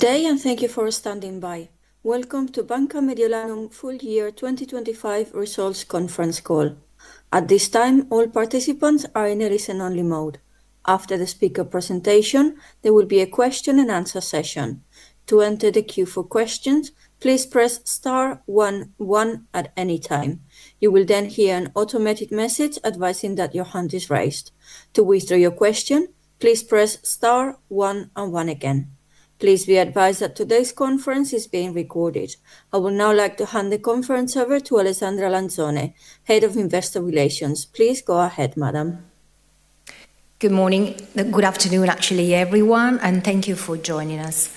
Today, and thank you for standing by. Welcome to Banca Mediolanum Full Year 2025 results conference call. At this time, all participants are in a listen-only mode. After the speaker presentation, there will be a question-and-answer session. To enter the queue for questions, please press star one one at any time. You will then hear an automatic message advising that your hand is raised. To withdraw your question, please press star one and one again. Please be advised that today's conference is being recorded. I would now like to hand the conference over to Alessandra Lanzone, Head of Investor Relations. Please go ahead, madam. Good morning, good afternoon, actually, everyone, and thank you for joining us.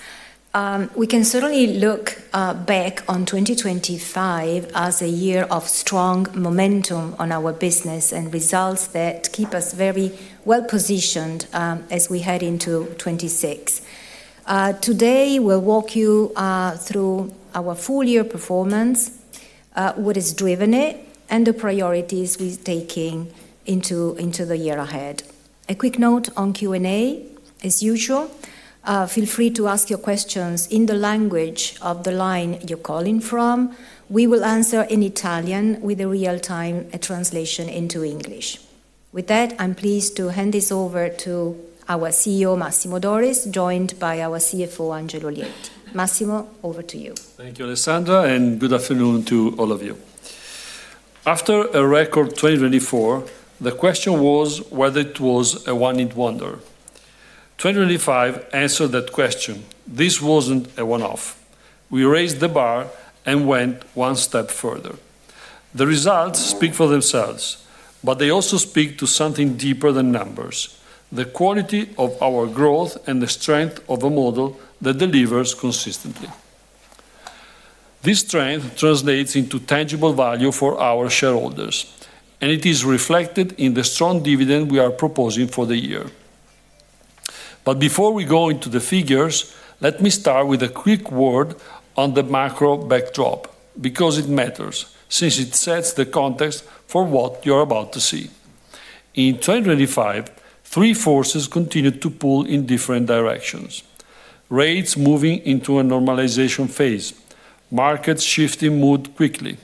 We can certainly look back on 2025 as a year of strong momentum on our business and results that keep us very well positioned, as we head into 2026. Today, we'll walk you through our full-year performance, what has driven it, and the priorities we're taking into the year ahead. A quick note on Q&A, as usual, feel free to ask your questions in the language of the line you're calling from. We will answer in Italian with a real-time translation into English. With that, I'm pleased to hand this over to our CEO, Massimo Doris, joined by our CFO, Angelo Lietti. Massimo, over to you. Thank you, Alessandra, and good afternoon to all of you. After a record 2024, the question was whether it was a one-hit wonder. 2025 answered that question. This wasn't a one-off. We raised the bar and went one step further. The results speak for themselves, but they also speak to something deeper than numbers: the quality of our growth and the strength of a model that delivers consistently. This strength translates into tangible value for our shareholders, and it is reflected in the strong dividend we are proposing for the year. But before we go into the figures, let me start with a quick word on the macro backdrop, because it matters, since it sets the context for what you're about to see. In 2025, three forces continued to pull in different directions: rates moving into a normalization phase, markets shifting mood quickly,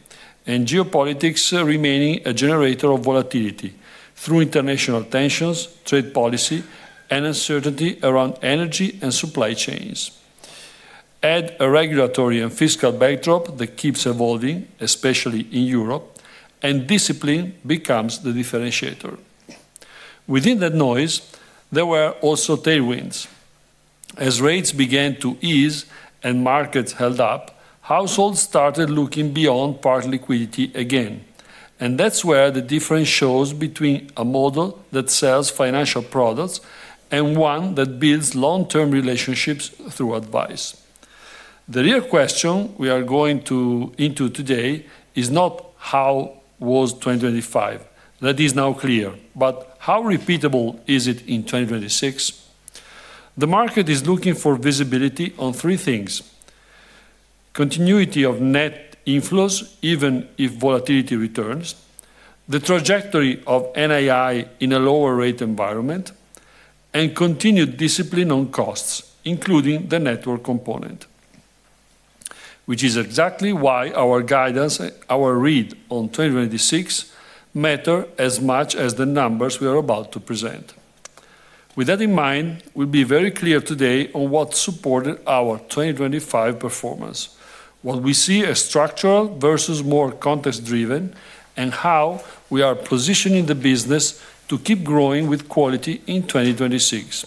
and geopolitics remaining a generator of volatility through international tensions, trade policy, and uncertainty around energy and supply chains. Add a regulatory and fiscal backdrop that keeps evolving, especially in Europe, and discipline becomes the differentiator. Within that noise, there were also tailwinds. As rates began to ease and markets held up, households started looking beyond parked liquidity again, and that's where the difference shows between a model that sells financial products and one that builds long-term relationships through advice. The real question we are going to, into today is not how was 2025? That is now clear. But how repeatable is it in 2026? The market is looking for visibility on three things: continuity of net inflows, even if volatility returns, the trajectory of NII in a lower rate environment, and continued discipline on costs, including the network component, which is exactly why our guidance, our read on 2026, matter as much as the numbers we are about to present. With that in mind, we'll be very clear today on what supported our 2025 performance, what we see as structural versus more context-driven, and how we are positioning the business to keep growing with quality in 2026.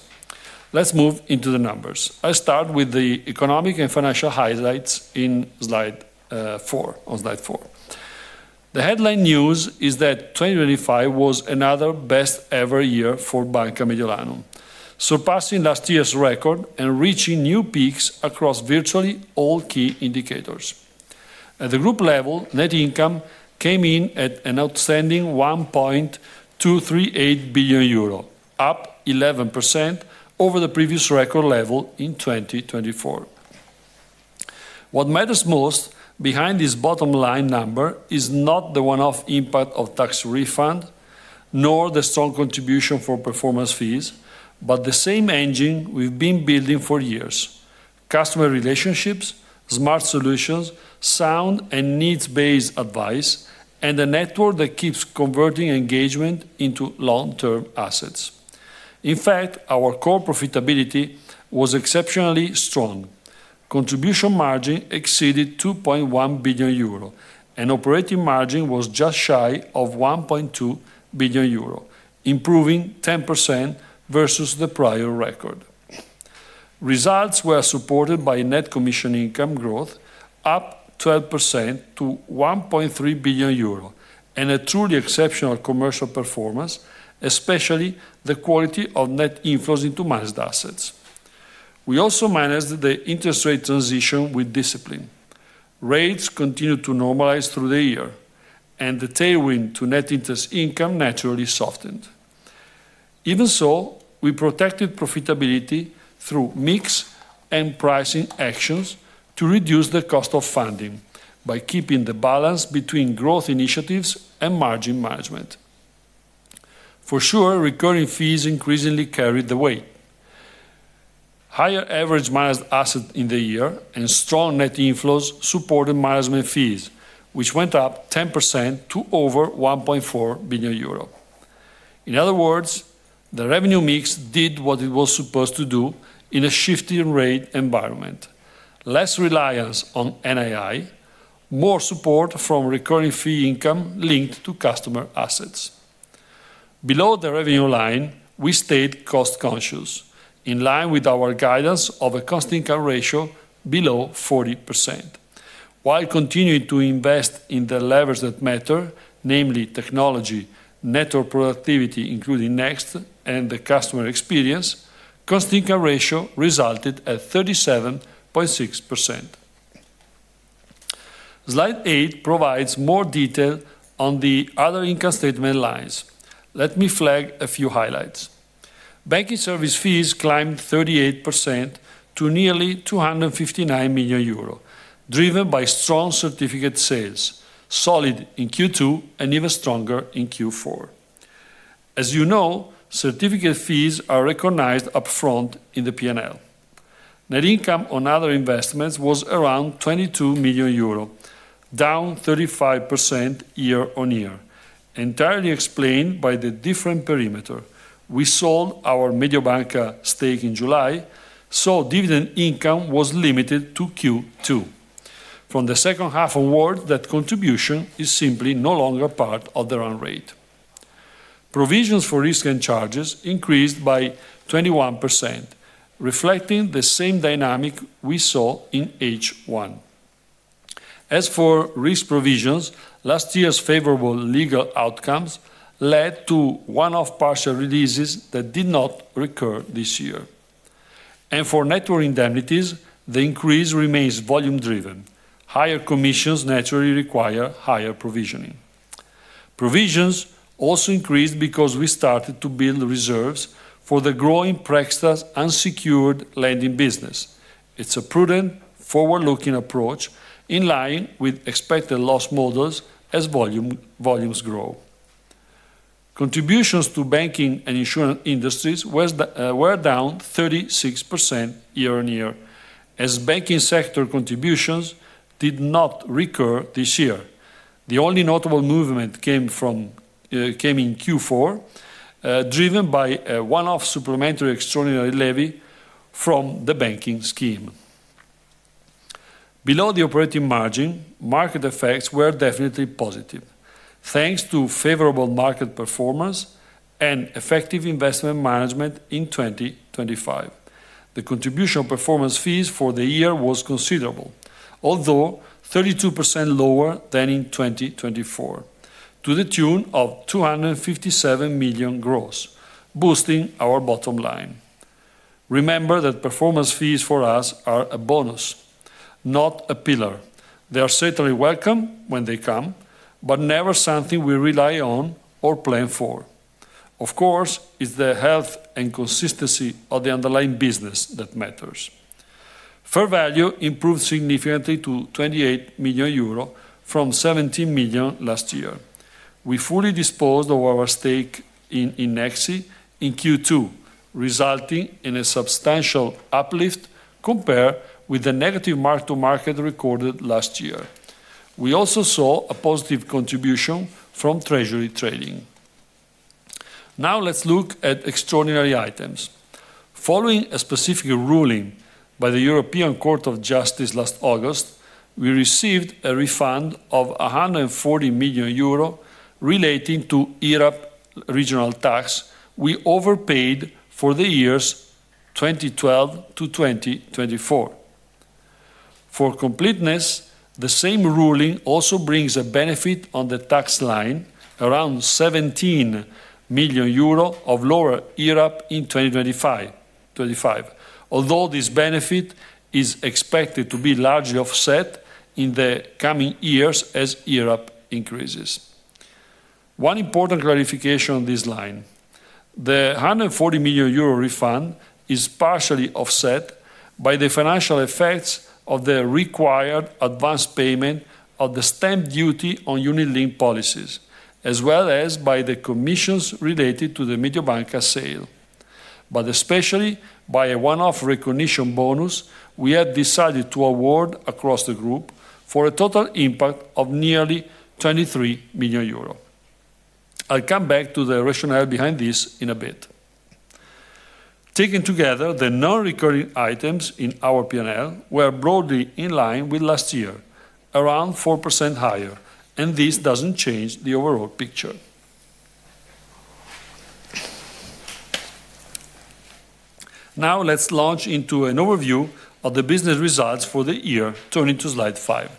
Let's move into the numbers. I'll start with the economic and financial highlights in Slide 4, on Slide 4. The headline news is that 2025 was another best-ever year for Banca Mediolanum, surpassing last year's record and reaching new peaks across virtually all key indicators. At the group level, net income came in at an outstanding 1.238 billion euro, up 11% over the previous record level in 2024. What matters most behind this bottom line number is not the one-off impact of tax refund, nor the strong contribution for performance fees, but the same engine we've been building for years: customer relationships, smart solutions, sound and needs-based advice, and a network that keeps converting engagement into long-term assets. In fact, our core profitability was exceptionally strong. Contribution margin exceeded 2.1 billion euro, and operating margin was just shy of 1.2 billion euro, improving 10% versus the prior record. Results were supported by net commission income growth, up 12% to 1.3 billion euro, and a truly exceptional commercial performance, especially the quality of net inflows into managed assets. We also managed the interest rate transition with discipline. Rates continued to normalize through the year, and the tailwind to net interest income naturally softened. Even so, we protected profitability through mix and pricing actions to reduce the cost of funding by keeping the balance between growth initiatives and margin management. For sure, recurring fees increasingly carried the weight. Higher average managed assets in the year and strong net inflows supported management fees, which went up 10% to over 1.4 billion euro. In other words, the revenue mix did what it was supposed to do in a shifting rate environment. Less reliance on NII, more support from recurring fee income linked to customer assets. Below the revenue line, we stayed cost conscious, in line with our guidance of a cost-income ratio below 40%. While continuing to invest in the levers that matter, namely technology, network productivity, including Next, and the customer experience, cost-income ratio resulted at 37.6%. Slide 8 provides more detail on the other income statement lines. Let me flag a few highlights. Banking service fees climbed 38% to nearly 259 million euro, driven by strong certificate sales, solid in Q2 and even stronger in Q4. As you know, certificate fees are recognized upfront in the P&L. Net income on other investments was around 22 million euro, down 35% year-on-year, entirely explained by the different perimeter. We sold our Mediobanca stake in July, so dividend income was limited to Q2. From the second half onward, that contribution is simply no longer part of the run rate. Provisions for risk and charges increased by 21%, reflecting the same dynamic we saw in H1. As for risk provisions, last year's favorable legal outcomes led to one-off partial releases that did not recur this year. For network indemnities, the increase remains volume driven. Higher commissions naturally require higher provisioning. Provisions also increased because we started to build reserves for the growing Prexta's unsecured lending business. It's a prudent, forward-looking approach in line with expected loss models as volumes grow. Contributions to banking and insurance industries were down 36% year-on-year, as banking sector contributions did not recur this year. The only notable movement came in Q4, driven by a one-off supplementary extraordinary levy from the banking scheme. Below the operating margin, market effects were definitely positive, thanks to favorable market performance and effective investment management in 2025. The contribution performance fees for the year was considerable, although 32% lower than in 2024, to the tune of 257 million gross, boosting our bottom line. Remember that performance fees for us are a bonus, not a pillar. They are certainly welcome when they come, but never something we rely on or plan for. Of course, it's the health and consistency of the underlying business that matters. Fair value improved significantly to 28 million euro from 17 million last year. We fully disposed of our stake in Nexi in Q2, resulting in a substantial uplift compared with the negative mark to market recorded last year. We also saw a positive contribution from treasury trading. Now let's look at extraordinary items. Following a specific ruling by the European Court of Justice last August, we received a refund of 140 million euro relating to IRAP regional tax we overpaid for the years 2012-2024. For completeness, the same ruling also brings a benefit on the tax line, around 17 million euro of lower IRAP in 2025, although this benefit is expected to be largely offset in the coming years as IRAP increases. One important clarification on this line: the 140 million euro refund is partially offset by the financial effects of the required advanced payment of the stamp duty on unit-linked policies, as well as by the commissions related to the Mediobanca sale, but especially by a one-off recognition bonus we had decided to award across the group for a total impact of nearly 23 million euros. I'll come back to the rationale behind this in a bit. Taken together, the non-recurring items in our P&L were broadly in line with last year, around 4% higher, and this doesn't change the overall picture. Now let's launch into an overview of the business results for the year, turning to Slide 5.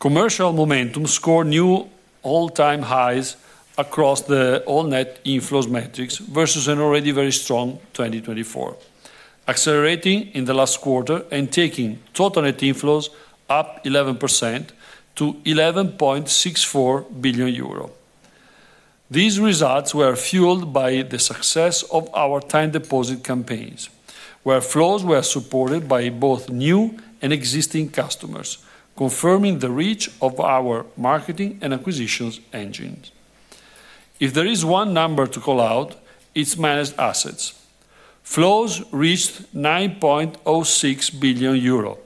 Commercial momentum scored new all-time highs across the all net inflows metrics versus an already very strong 2024, accelerating in the last quarter and taking total net inflows up 11% to 11.64 billion euro. These results were fueled by the success of our time deposit campaigns where flows were supported by both new and existing customers, confirming the reach of our marketing and acquisitions engines. If there is one number to call out, it's managed assets. Flows reached 9.06 billion euro,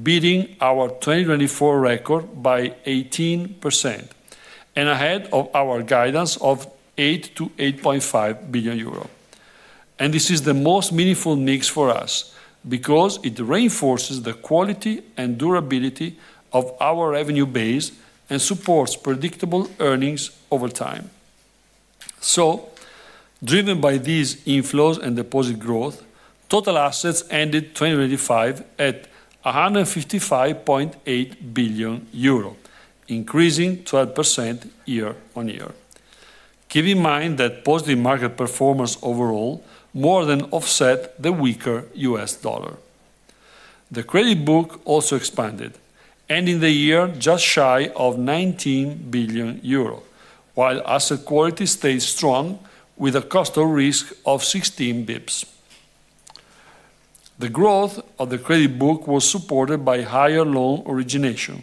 beating our 2024 record by 18%, and ahead of our guidance of 8 billion-8.5 billion euro. This is the most meaningful mix for us because it reinforces the quality and durability of our revenue base and supports predictable earnings over time. Driven by these inflows and deposit growth, total assets ended 2025 at 155.8 billion euro, increasing 12% year-on-year. Keep in mind that positive market performance overall more than offset the weaker US dollar. The credit book also expanded, ending the year just shy of 19 billion euro, while asset quality stayed strong with a cost of risk of 16 bps. The growth of the credit book was supported by higher loan origination,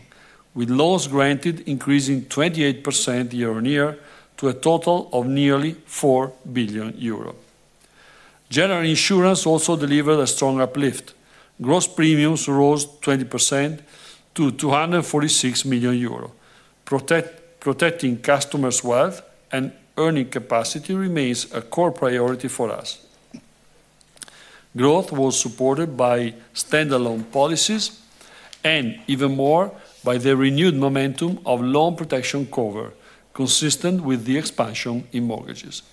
with loans granted increasing 28% year-on-year to a total of nearly 4 billion euros. General insurance also delivered a strong uplift. Gross premiums rose 20% to 246 million euro. Protecting customers' wealth and earning capacity remains a core priority for us. Growth was supported by standalone policies and even more by the renewed momentum of loan protection cover, consistent with the expansion in mortgages.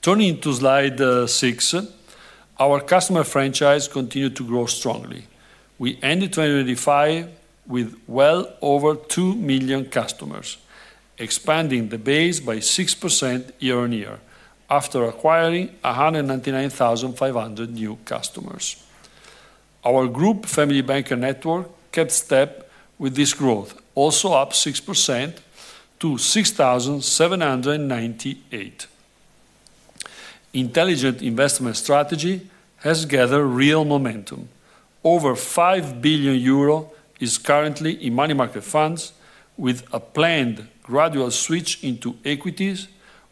Turning to Slide 6, our customer franchise continued to grow strongly. We ended 2025 with well over 2 million customers, expanding the base by 6% year-on-year, after acquiring 199,500 new customers. Our group Family Banker network kept step with this growth, also up 6% to 6,798. Intelligent Investment Strategy has gathered real momentum. Over 5 billion euro is currently in money market funds, with a planned gradual switch into equities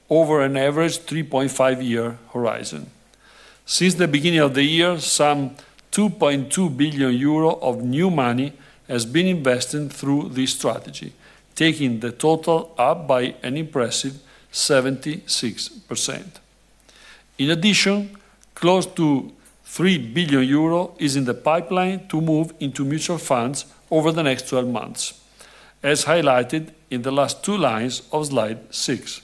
over an average 3.5-year horizon. Since the beginning of the year, some 2.2 billion euro of new money has been invested through this strategy, taking the total up by an impressive 76%. In addition, close to 3 billion euro is in the pipeline to move into mutual funds over the next 12 months, as highlighted in the last two lines of Slide 6,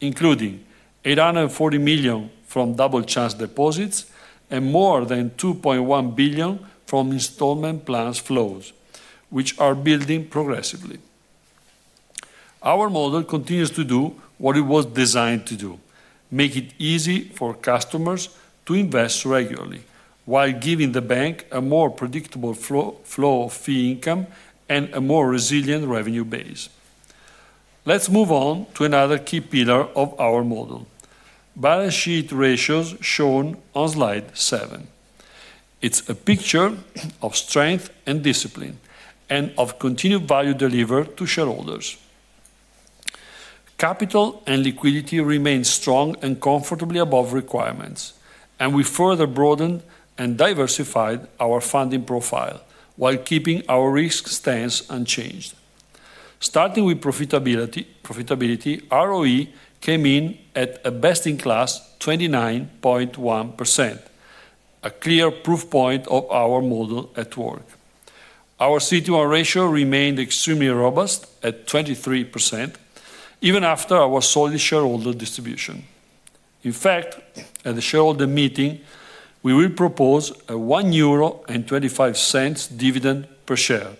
including 840 million from Double Chance deposits and more than 2.1 billion from installment plans flows, which are building progressively. Our model continues to do what it was designed to do, make it easy for customers to invest regularly, while giving the bank a more predictable flow, flow of fee income and a more resilient revenue base. Let's move on to another key pillar of our model, balance sheet ratios shown on Slide 7. It's a picture of strength and discipline and of continued value delivered to shareholders. Capital and liquidity remain strong and comfortably above requirements, and we further broadened and diversified our funding profile while keeping our risk stance unchanged. Starting with profitability, profitability, ROE came in at a best-in-class 29.1%, a clear proof point of our model at work. Our CET1 ratio remained extremely robust at 23%, even after our solid shareholder distribution. In fact, at the shareholder meeting, we will propose a 1.25 euro dividend per share,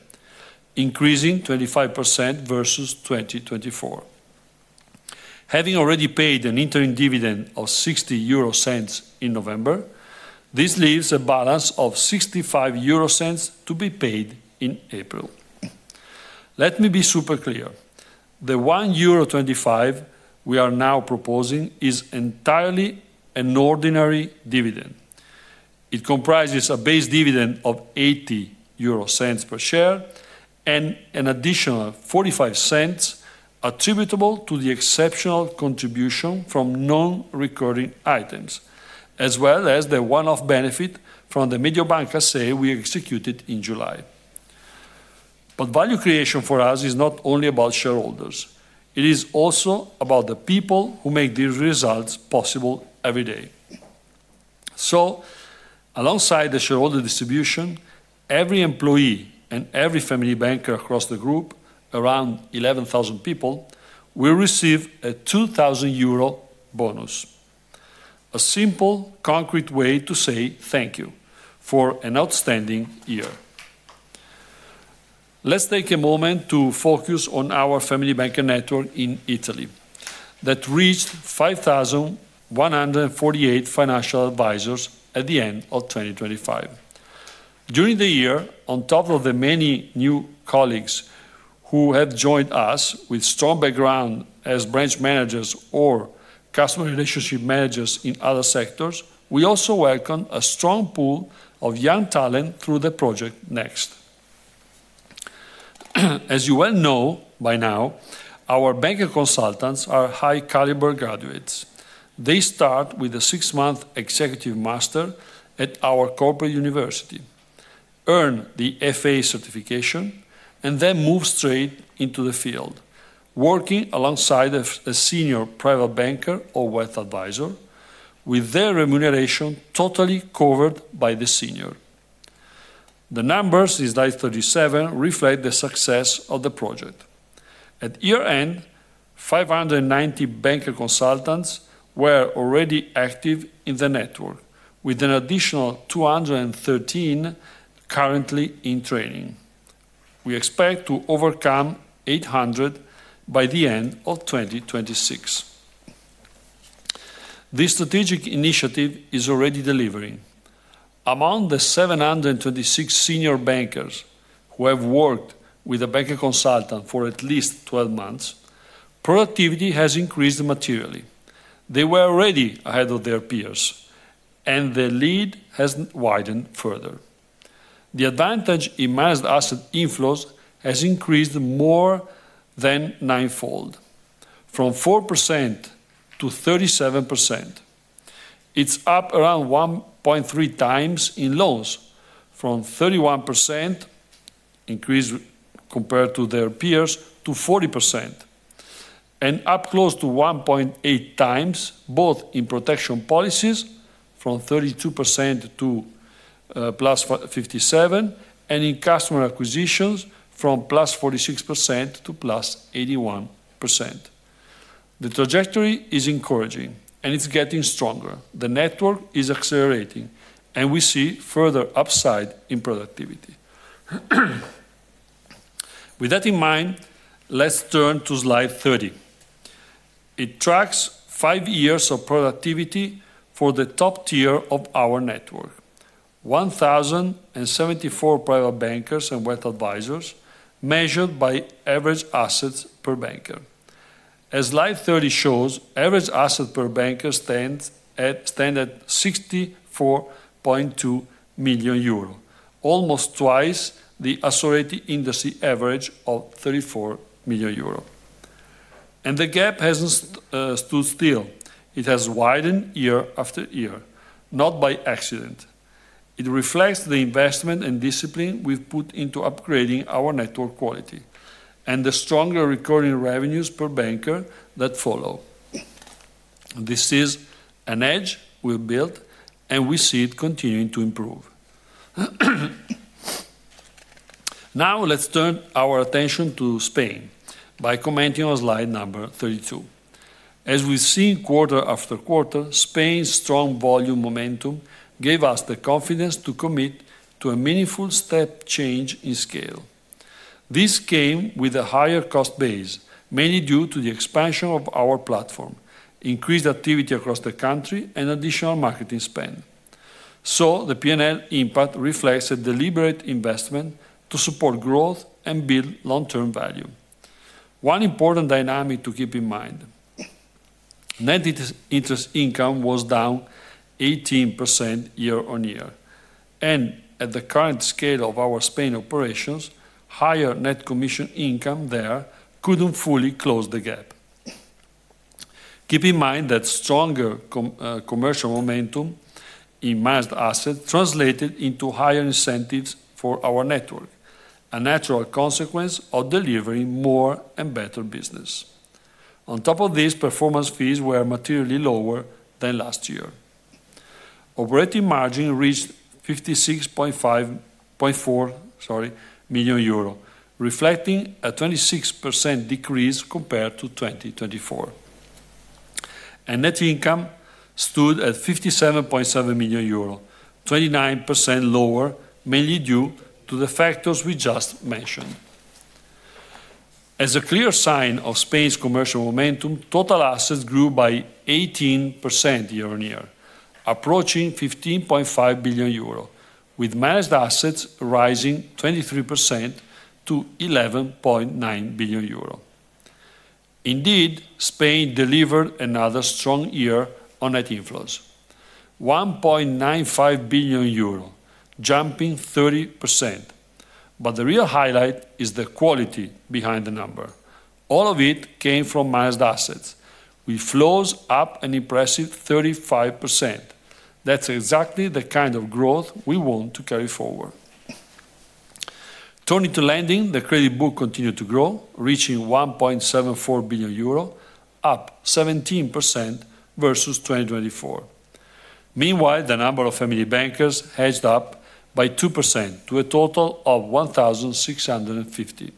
increasing 25% versus 2024. Having already paid an interim dividend of 0.60 in November, this leaves a balance of 0.65 to be paid in April. Let me be super clear. The 1.25 euro we are now proposing is entirely an ordinary dividend. It comprises a base dividend of 0.80 per share and an additional 0.45 attributable to the exceptional contribution from non-recurring items, as well as the one-off benefit from the Mediobanca sale we executed in July. But value creation for us is not only about shareholders, it is also about the people who make these results possible every day. So alongside the shareholder distribution, every employee and every Family Banker across the group, around 11,000 people, will receive a 2,000 euro bonus. A simple, concrete way to say thank you for an outstanding year. Let's take a moment to focus on our Family Banker network in Italy. That reached 5,148 financial advisors at the end of 2025. During the year, on top of the many new colleagues who have joined us with strong background as branch managers or customer relationship managers in other sectors, we also welcome a strong pool of young talent through the project Next. As you well know by now, our banker consultants are high caliber graduates. They start with a six-month executive master at our Corporate University, earn the FA certification, and then move straight into the field, working alongside a senior private banker or wealth advisor, with their remuneration totally covered by the senior. The numbers in Slide 37 reflect the success of the project. At year-end, 590 banker consultants were already active in the network, with an additional 213 currently in training. We expect to overcome 800 by the end of 2026. This strategic initiative is already delivering. Among the 726 senior bankers who have worked with a banker consultant for at least 12 months, productivity has increased materially. They were already ahead of their peers, and the lead has widened further. The advantage in managed asset inflows has increased more than ninefold, from 4% to 37%. It's up around 1.3 times in loans, from 31% increase compared to their peers, to 40%, and up close to 1.8x, both in protection policies, from 32% to +57%, and in customer acquisitions, from +46% to +81%. The trajectory is encouraging, and it's getting stronger. The network is accelerating, and we see further upside in productivity. With that in mind, let's turn to Slide 30. It tracks five years of productivity for the top tier of our network, 1,074 private bankers and wealth advisors, measured by average assets per banker. As Slide 30 shows, average asset per banker stands at 64.2 million euro, almost twice the Assoreti industry average of 34 million euro. And the gap hasn't stood still. It has widened year after year, not by accident. It reflects the investment and discipline we've put into upgrading our network quality and the stronger recurring revenues per banker that follow. This is an edge we've built, and we see it continuing to improve. Now, let's turn our attention to Spain by commenting on Slide number 32. As we've seen quarter-after-quarter, Spain's strong volume momentum gave us the confidence to commit to a meaningful step change in scale. This came with a higher cost base, mainly due to the expansion of our platform, increased activity across the country, and additional marketing spend. So the P&L impact reflects a deliberate investment to support growth and build long-term value. One important dynamic to keep in mind, net interest income was down 18% year-on-year, and at the current scale of our Spain operations, higher net commission income there couldn't fully close the gap. Keep in mind that stronger commercial momentum in managed assets translated into higher incentives for our network, a natural consequence of delivering more and better business. On top of this, performance fees were materially lower than last year. Operating margin reached 56.4 million euro, reflecting a 26% decrease compared to 2024. Net income stood at 57.7 million euro, 29% lower, mainly due to the factors we just mentioned. As a clear sign of Spain's commercial momentum, total assets grew by 18% year-on-year, approaching 15.5 billion euro, with managed assets rising 23% to 11.9 billion euro. Indeed, Spain delivered another strong year on net inflows, 1.95 billion euro, jumping 30%. But the real highlight is the quality behind the number. All of it came from managed assets, with flows up an impressive 35%. That's exactly the kind of growth we want to carry forward. Turning to lending, the credit book continued to grow, reaching 1.74 billion euro, up 17% versus 2024. Meanwhile, the number of Family Bankers edged up by 2% to a total of 1,650.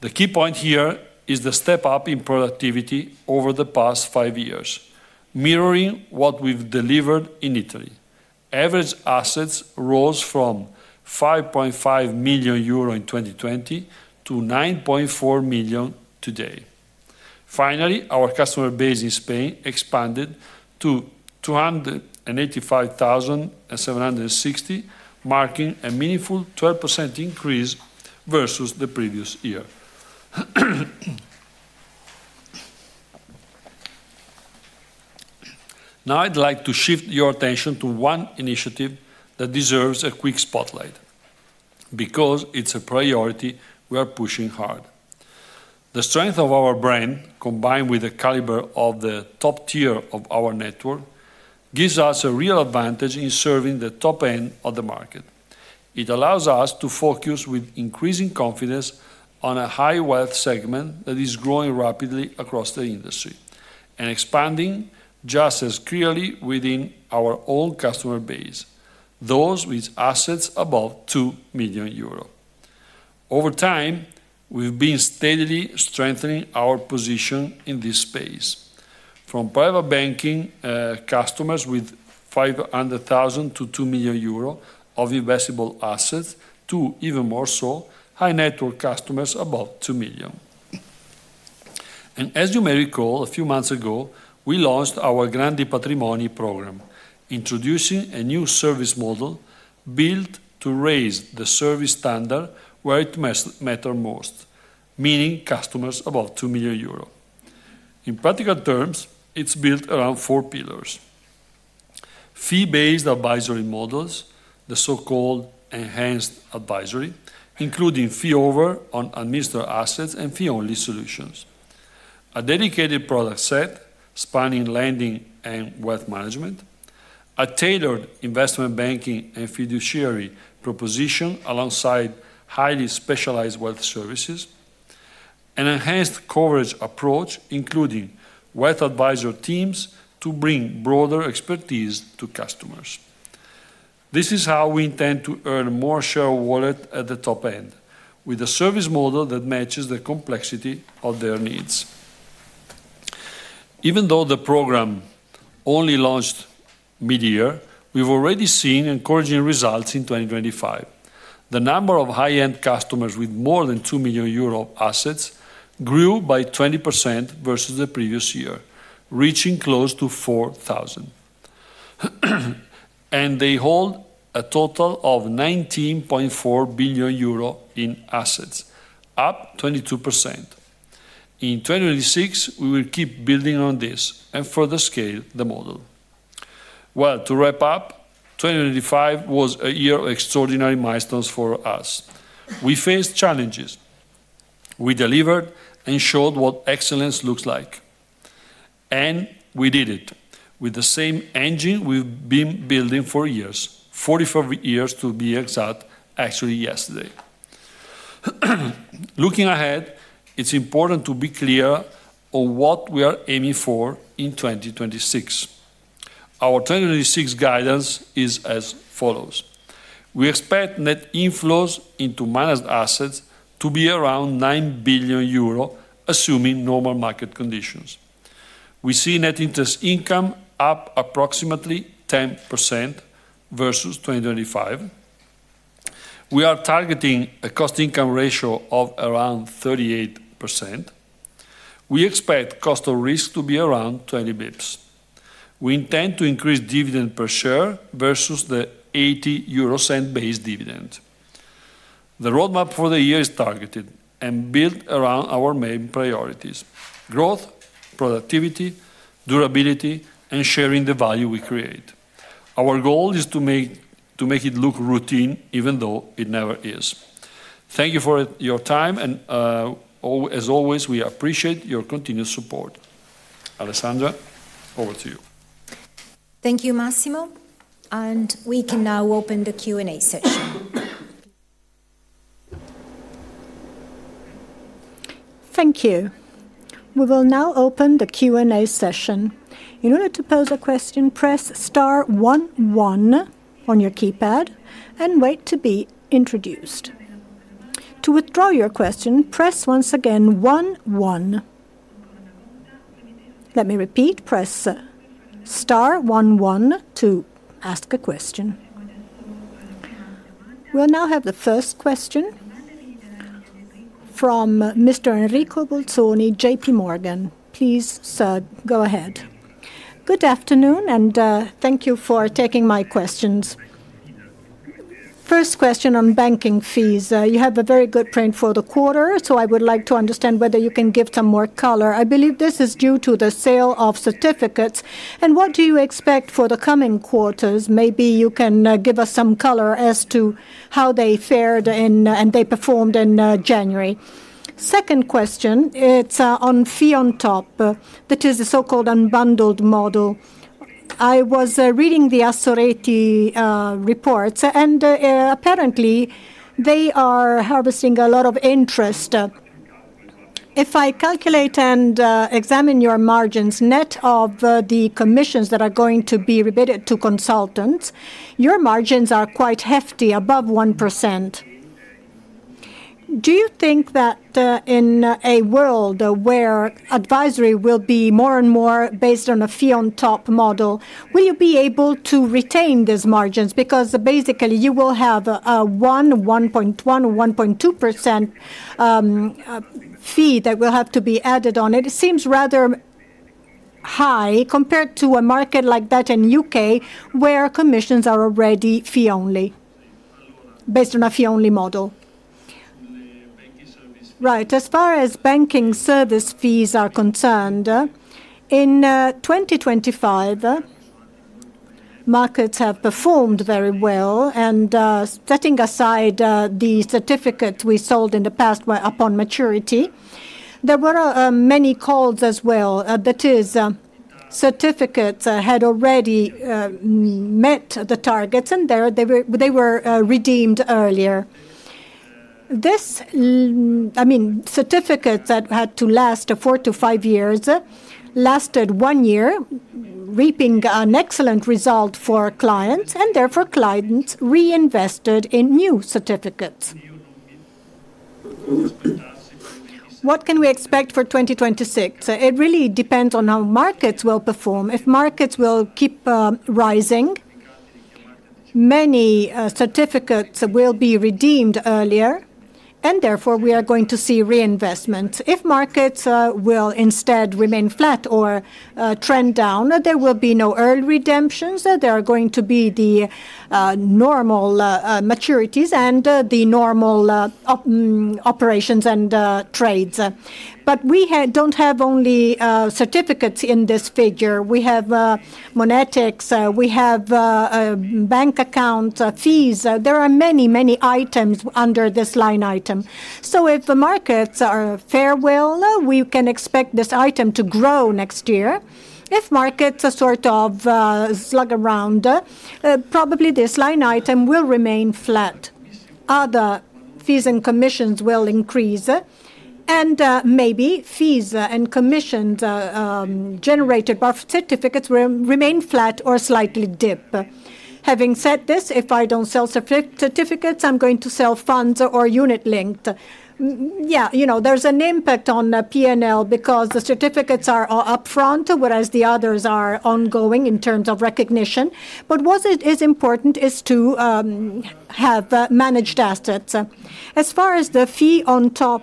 The key point here is the step-up in productivity over the past five years, mirroring what we've delivered in Italy. Average assets rose from 5.5 million euro in 2020 to 9.4 million today. Finally, our customer base in Spain expanded to 285,760, marking a meaningful 12% increase versus the previous year. Now, I'd like to shift your attention to one initiative that deserves a quick spotlight, because it's a priority we are pushing hard. The strength of our brand, combined with the caliber of the top tier of our network, gives us a real advantage in serving the top end of the market. It allows us to focus with increasing confidence on a high wealth segment that is growing rapidly across the industry, and expanding just as clearly within our own customer base, those with assets above 2 million euros. Over time, we've been steadily strengthening our position in this space, from private banking customers with 500,000-2 million euro of investable assets, to even more so, high net worth customers above 2 million. As you may recall, a few months ago, we launched our Grandi Patrimoni program, introducing a new service model built to raise the service standard where it matters most, meaning customers above 2 million euro. In practical terms, it's built around four pillars: fee-based advisory models, the so-called enhanced advisory, including fee on top on administered assets and fee-only solutions. A dedicated product set spanning lending and wealth management. A tailored investment banking and fiduciary proposition alongside highly specialized wealth services. An enhanced coverage approach, including wealth advisor teams to bring broader expertise to customers. This is how we intend to earn more share of wallet at the top end, with a service model that matches the complexity of their needs. Even though the program only launched mid-year, we've already seen encouraging results in 2025. The number of high-end customers with more than 2 million euro assets grew by 20% versus the previous year, reaching close to 4,000. They hold a total of 19.4 billion euro in assets, up 22%. In 2026, we will keep building on this and further scale the model. Well, to wrap up, 2025 was a year of extraordinary milestones for us. We faced challenges, we delivered and showed what excellence looks like, and we did it with the same engine we've been building for years, 44 years to be exact, actually, yesterday. Looking ahead, it's important to be clear on what we are aiming for in 2026. Our 2026 guidance is as follows: We expect net inflows into managed assets to be around 9 billion euro, assuming normal market conditions. We see net interest income up approximately 10% versus 2025. We are targeting a cost income ratio of around 38%. We expect cost of risk to be around 20 bps. We intend to increase dividend per share versus the 0.80 base dividend. The roadmap for the year is targeted and built around our main priorities: growth, productivity, durability, and sharing the value we create. Our goal is to make, to make it look routine, even though it never is. Thank you for your time, and, as always, we appreciate your continued support. Alessandra, over to you. Thank you, Massimo, and we can now open the Q&A session. Thank you. We will now open the Q&A session. In order to pose a question, press star one one on your keypad and wait to be introduced. To withdraw your question, press once again one one. Let me repeat, press star one one to ask a question. We'll now have the first question from Mr. Enrico Bolzoni, JPMorgan. Please, sir, go ahead. Good afternoon, and, thank you for taking my questions. First question on banking fees. You have a very good trend for the quarter, so I would like to understand whether you can give some more color. I believe this is due to the sale of certificates. And what do you expect for the coming quarters? Maybe you can, give us some color as to how they fared in, and they performed in, January. Second question, it's on fee on top, that is the so-called unbundled model. I was reading the Assoreti reports, and apparently they are harvesting a lot of interest. If I calculate and examine your margins, net of the commissions that are going to be rebated to consultants, your margins are quite hefty, above 1%. Do you think that in a world where advisory will be more and more based on a fee on top model, will you be able to retain these margins? Because basically, you will have a 1.1%-1.2% fee that will have to be added on it. It seems rather high compared to a market like that in U.K., where commissions are already fee only, based on a fee-only model. Right, as far as banking service fees are concerned, in 2025, markets have performed very well, and setting aside the certificate we sold in the past where upon maturity, there were many calls as well. That is, certificates had already met the targets, and there they were, they were redeemed earlier. I mean, certificates that had to last four to five years, lasted one year, reaping an excellent result for our clients, and therefore, clients reinvested in new certificates. What can we expect for 2026? It really depends on how markets will perform. If markets will keep rising, many certificates will be redeemed earlier, and therefore, we are going to see reinvestment. If markets will instead remain flat or trend down, there will be no early redemptions. There are going to be the normal maturities and the normal operations and trades. But we don't have only certificates in this figure. We have monetics, we have bank account fees. There are many, many items under this line item. So if the markets are favorable, we can expect this item to grow next year. If markets are sort of sluggish, probably this line item will remain flat. Other fees and commissions will increase, and maybe fees and commissions generated by certificates remain flat or slightly dip. Having said this, if I don't sell certificates, I'm going to sell funds or unit linked. Yeah, you know, there's an impact on the PNL because the certificates are upfront, whereas the others are ongoing in terms of recognition. But what it is important is to have managed assets. As far as the fee on top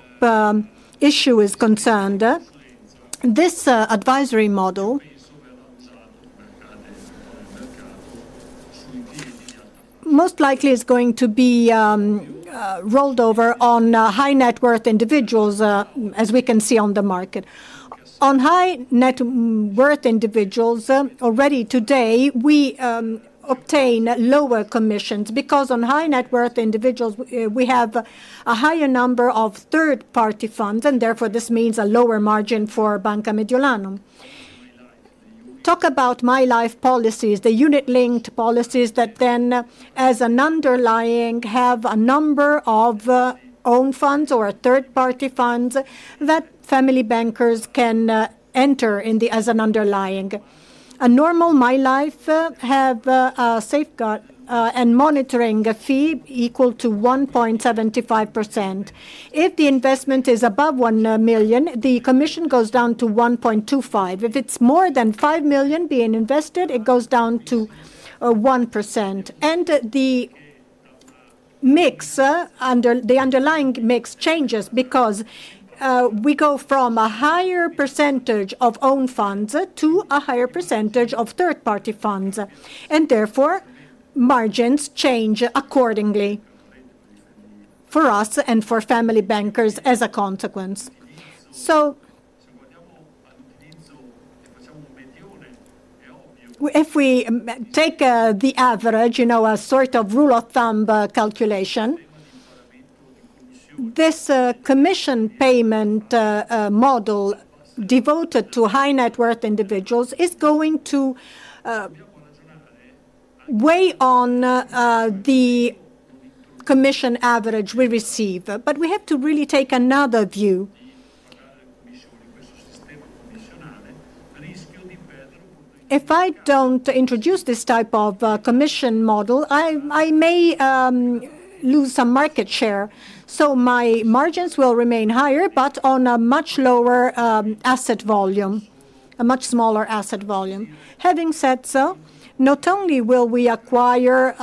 issue is concerned, this advisory model most likely is going to be rolled over on high net worth individuals, as we can see on the market. On high net worth individuals, already today, we obtain lower commissions because on high net worth individuals, we have a higher number of third-party funds, and therefore, this means a lower margin for Banca Mediolanum. Talk about My Life policies, the unit-linked policies that then, as an underlying, have a number of own funds or third-party funds that Family Bankers can enter as an underlying. A normal My Life have a safeguard and monitoring fee equal to 1.75%. If the investment is above 1 million, the commission goes down to 1.25%. If it's more than 5 million being invested, it goes down to 1%. And the mix under the underlying mix changes because we go from a higher percentage of own funds to a higher percentage of third-party funds, and therefore, margins change accordingly for us and for Family Bankers as a consequence. So, if we take the average, you know, a sort of rule of thumb calculation, this commission payment model devoted to high net worth individuals is going to weigh on the commission average we receive. But we have to really take another view. If I don't introduce this type of commission model, I may lose some market share. My margins will remain higher, but on a much lower asset volume, a much smaller asset volume. Having said so, not only will we acquire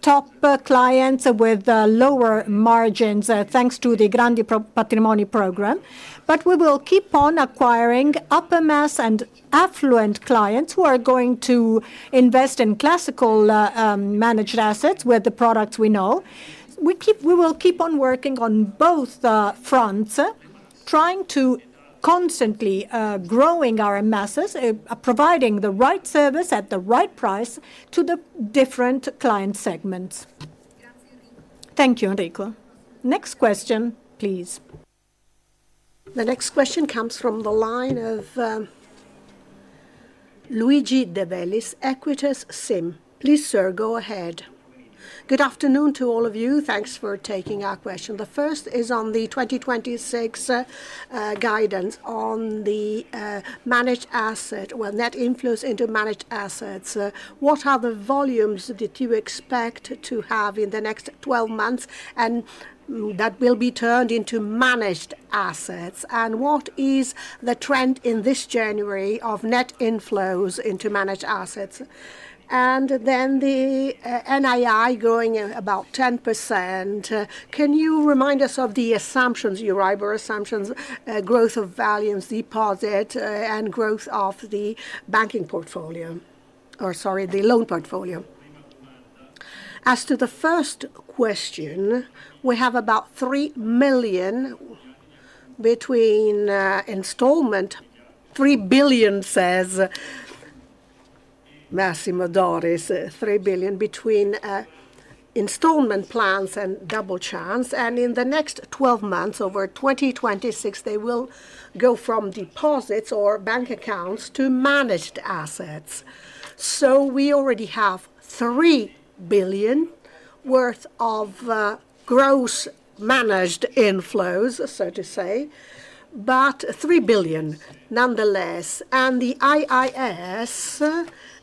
top clients with lower margins thanks to the Grandi Patrimoni program, but we will keep on acquiring upper mass and affluent clients who are going to invest in classical managed assets with the products we know. We will keep on working on both fronts, trying to constantly growing our masses, providing the right service at the right price to the different client segments. Thank you, Enrico. Next question, please. The next question comes from the line of Luigi De Bellis, Equita SIM. Please, sir, go ahead. Good afternoon to all of you. Thanks for taking our question. The first is on the 2026 guidance on the managed asset, well, net inflows into managed assets. What are the volumes that you expect to have in the next 12 months, and that will be turned into managed assets? And what is the trend in this January of net inflows into managed assets? And then the NII growing at about 10%, can you remind us of the assumptions, your assumptions, growth of values, deposit, and growth of the banking portfolio? Or sorry, the loan portfolio. As to the first question, we have about 3 million between installment, 3 billion, says Massimo Doris, 3 billion between installment plans and Double Chance, and in the next 12 months, over 2026, they will go from deposits or bank accounts to managed assets. So we already have 3 billion worth of gross managed inflows, so to say, but 3 billion nonetheless. And the IIS,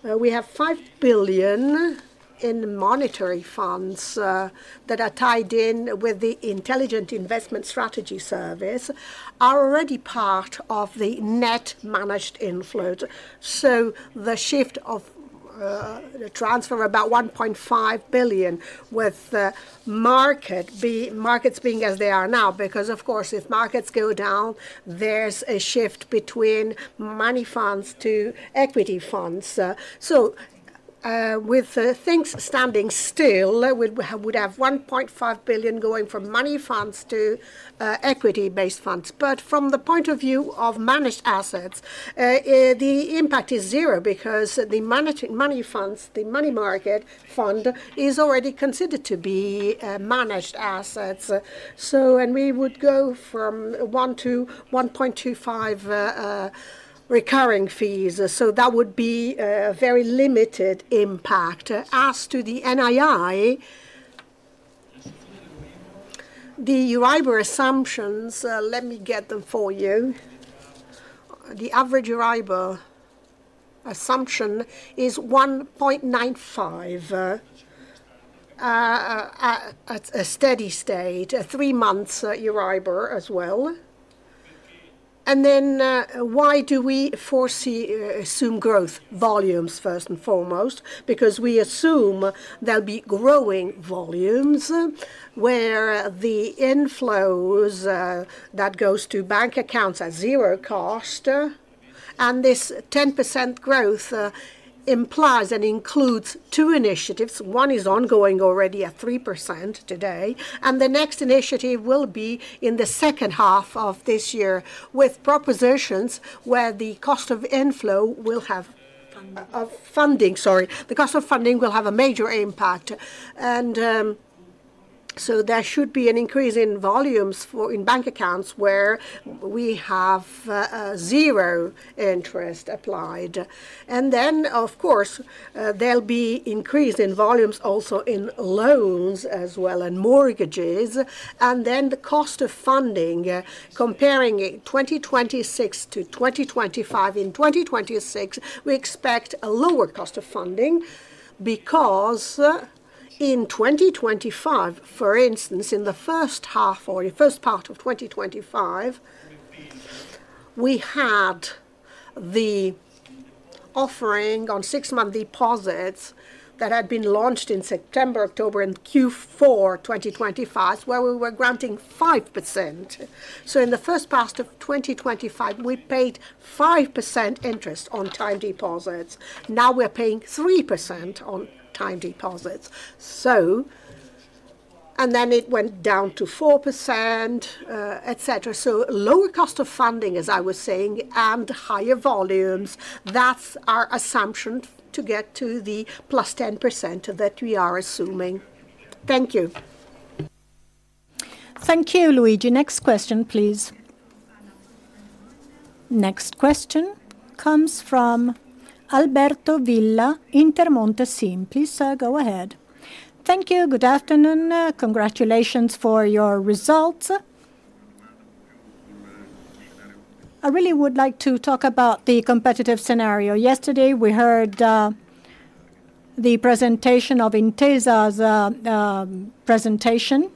we have 5 billion in monetary funds that are tied in with the Intelligent Investment Strategy Service, are already part of the net managed inflows. So the shift of transfer about 1.5 billion, with the markets being as they are now, because of course, if markets go down, there's a shift between money funds to equity funds. So, with things standing still, we would have 1.5 billion going from money funds to equity-based funds. But from the point of view of managed assets, the impact is zero, because the managing money funds, the money market fund, is already considered to be managed assets. So, and we would go from 1 to 1.25 recurring fees, so that would be a very limited impact. As to the NII, the EURIBOR assumptions, let me get them for you. The average EURIBOR assumption is 1.95 at a steady state, a three-month EURIBOR as well. And then, why do we foresee, assume growth volumes, first and foremost? Because we assume there'll be growing volumes, where the inflows that goes to bank accounts at zero cost, and this 10% growth implies and includes two initiatives. One is ongoing already at 3% today, and the next initiative will be in the second half of this year, with propositions where the cost of inflow will have funding, sorry. The cost of funding will have a major impact. So there should be an increase in volumes for, in bank accounts where we have, zero interest applied. Then, of course, there'll be increase in volumes also in loans as well, and mortgages, and then the cost of funding, comparing it 2026 to 2025. In 2026, we expect a lower cost of funding, because, in 2025, for instance, in the first half or first part of 2025, we had the offering on six-month deposits that had been launched in September, October, in Q4 2025, where we were granting 5%. So in the first part of 2025, we paid 5% interest on time deposits. Now we're paying 3% on time deposits. And then it went down to 4%, et cetera. So lower cost of funding, as I was saying, and higher volumes, that's our assumption to get to the +10% that we are assuming. Thank you. Thank you, Luigi. Next question, please. Next question comes from Alberto Villa, Intermonte SIM. Please, go ahead. Thank you. Good afternoon. Congratulations for your results. I really would like to talk about the competitive scenario. Yesterday, we heard the presentation of Intesa's presentation.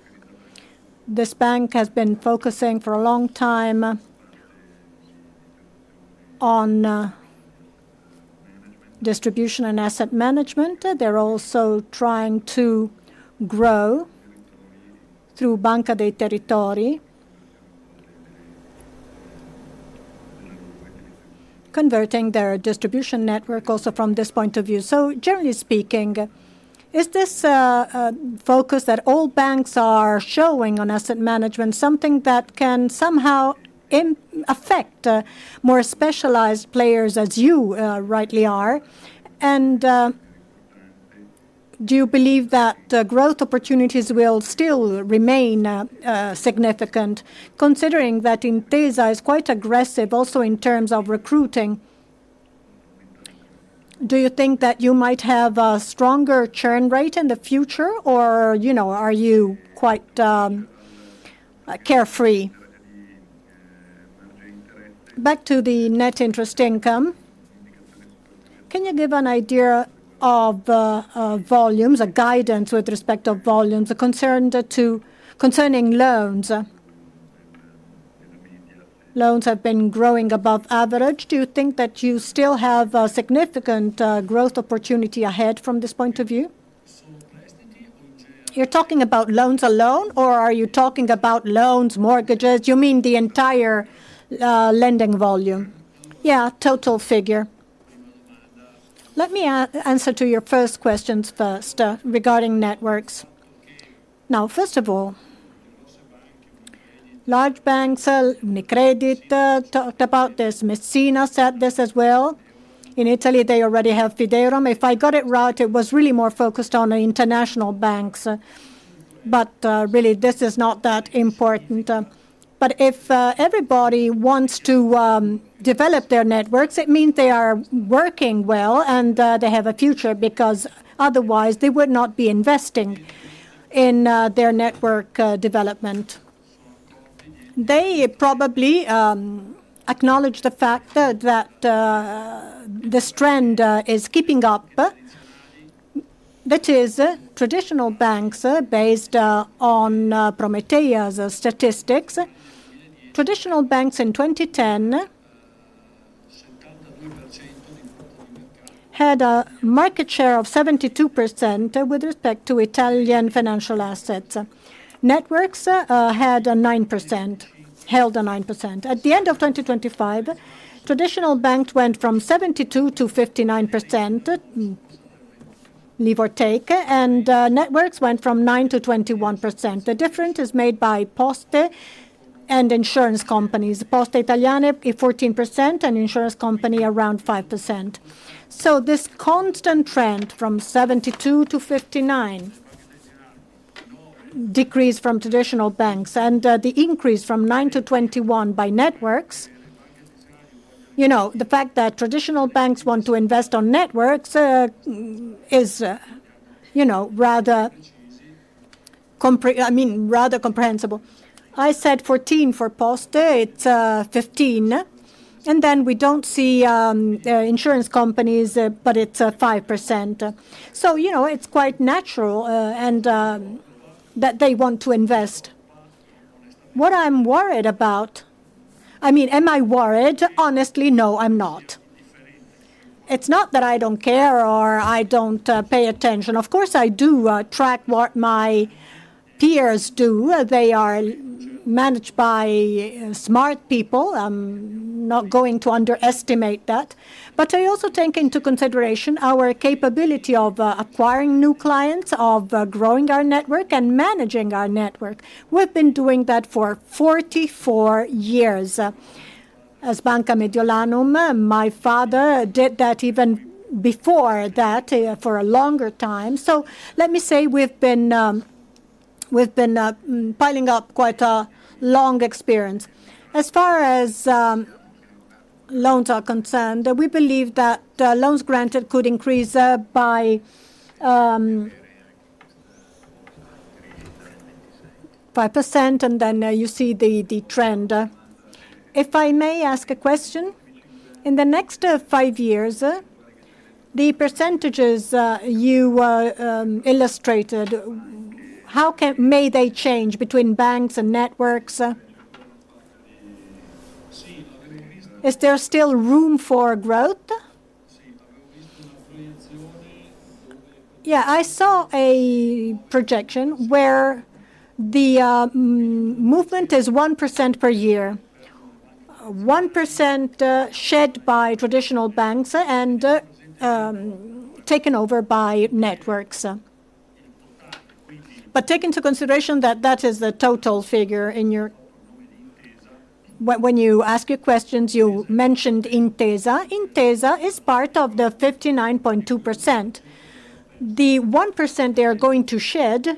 This bank has been focusing for a long time on distribution and asset management. They're also trying to grow through Banca dei Territori, converting their distribution network also from this point of view. So generally speaking, is this focus that all banks are showing on asset management, something that can somehow affect more specialized players, as you rightly are? And do you believe that the growth opportunities will still remain significant, considering that Intesa is quite aggressive also in terms of recruiting? Do you think that you might have a stronger churn rate in the future, or, you know, are you quite carefree? Back to the net interest income, can you give an idea of volumes, a guidance with respect to volumes concerning loans? Loans have been growing above average. Do you think that you still have a significant growth opportunity ahead from this point of view? You're talking about loans alone, or are you talking about loans, mortgages? You mean the entire lending volume? Yeah, total figure. Let me answer to your first questions first, regarding networks. Now, first of all, large banks, UniCredit talked about this. Messina said this as well. In Italy, they already have Fideuram. If I got it right, it was really more focused on the international banks, but really, this is not that important. But if everybody wants to develop their networks, it means they are working well and they have a future, because otherwise they would not be investing in their network development. They probably acknowledge the fact that that this trend is keeping up. That is, traditional banks, based on Prometeia's statistics, traditional banks in 2010 had a market share of 72% with respect to Italian financial assets. Networks had a 9% held a 9%. At the end of 2025, traditional banks went from 72% to 59%, give or take, and networks went from 9% to 21%. The difference is made by Poste and insurance companies. Poste Italiane, 14%, and insurance company, around 5%. So this constant trend from 72% to 59% decrease from traditional banks and, the increase from 9% to 21% by networks, you know, the fact that traditional banks want to invest on networks, is, you know, rather comprehensible. I said 14% for Poste, it's 15%. And then we don't see insurance companies, but it's 5%. So, you know, it's quite natural, and that they want to invest. What I'm worried about... I mean, am I worried? Honestly, no, I'm not. It's not that I don't care or I don't pay attention. Of course, I do track what my peers do. They are managed by smart people. I'm not going to underestimate that. But I also take into consideration our capability of acquiring new clients, of growing our network and managing our network. We've been doing that for 44 years as Banca Mediolanum. My father did that even before that for a longer time. So let me say we've been piling up quite a long experience. As far as loans are concerned, we believe that loans granted could increase by 5%, and then you see the trend. If I may ask a question, in the next five years, the percentages you illustrated, how can they change between banks and networks? Is there still room for growth? Yeah, I saw a projection where the movement is 1% per year. 1%, shed by traditional banks and taken over by networks. But take into consideration that that is the total figure in your... When you ask your questions, you mentioned Intesa. Intesa is part of the 59.2%. The 1% they are going to shed,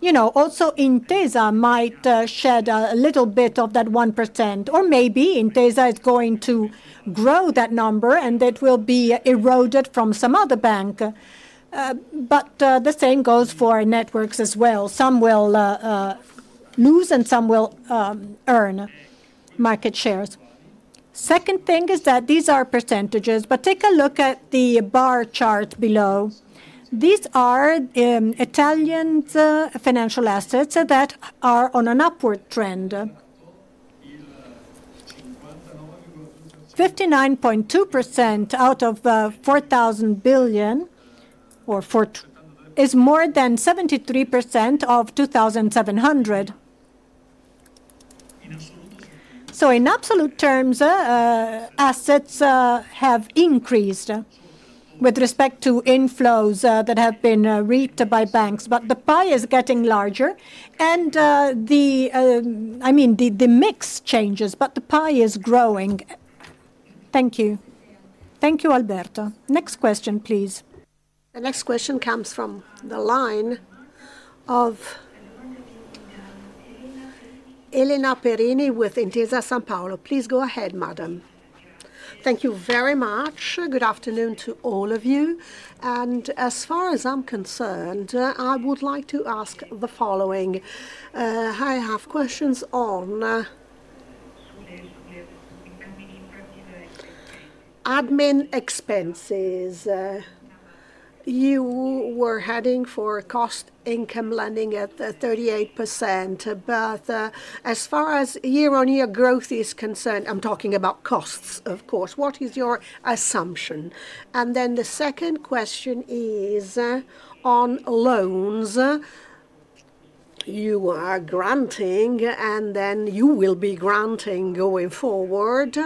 you know, also Intesa might shed a little bit of that 1%, or maybe Intesa is going to grow that number and that will be eroded from some other bank. But the same goes for networks as well. Some will lose and some will earn market shares. Second thing is that these are percentages, but take a look at the bar chart below. These are Italian financial assets that are on an upward trend. 59.2% out of 4,000 billion is more than 73% of 2,700 billion. So in absolute terms, assets have increased with respect to inflows that have been reaped by banks. But the pie is getting larger, and I mean, the mix changes, but the pie is growing. Thank you. Thank you, Alberto. Next question, please. The next question comes from the line of Elena Perini with Intesa Sanpaolo. Please go ahead, madam. Thank you very much. Good afternoon to all of you. And as far as I'm concerned, I would like to ask the following. I have questions on admin expenses. You were heading for a cost income landing at 38%, but as far as year-on-year growth is concerned, I'm talking about costs, of course, what is your assumption? And then the second question is on loans. You are granting, and then you will be granting going forward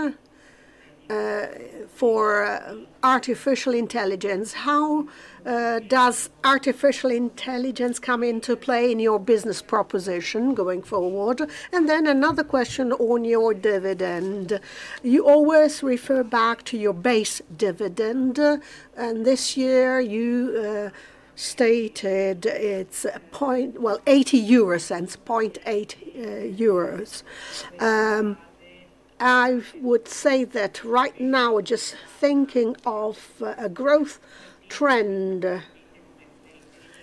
for artificial intelligence. How does artificial intelligence come into play in your business proposition going forward? And then another question on your dividend. You always refer back to your base dividend, and this year you stated it's a point...Well, 0.80, 0.8 euros. I would say that right now, just thinking of a growth trend,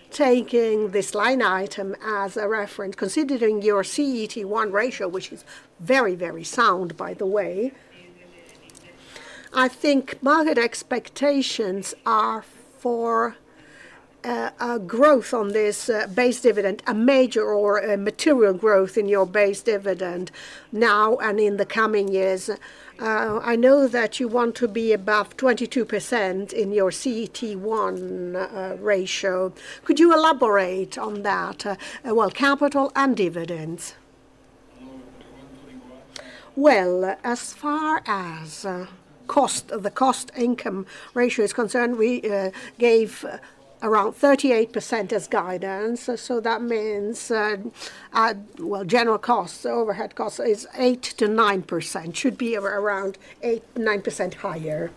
taking this line item as a reference, considering your CET1 ratio, which is very, very sound, by the way, I think market expectations are for a growth on this base dividend, a major or a material growth in your base dividend now and in the coming years. I know that you want to be above 22% in your CET1 ratio. Could you elaborate on that, well, capital and dividends? Well, as far as cost, the cost-income ratio is concerned, we gave around 38% as guidance. So that means, well, general costs, overhead costs, is 8%-9%, should be around 8-9% higher.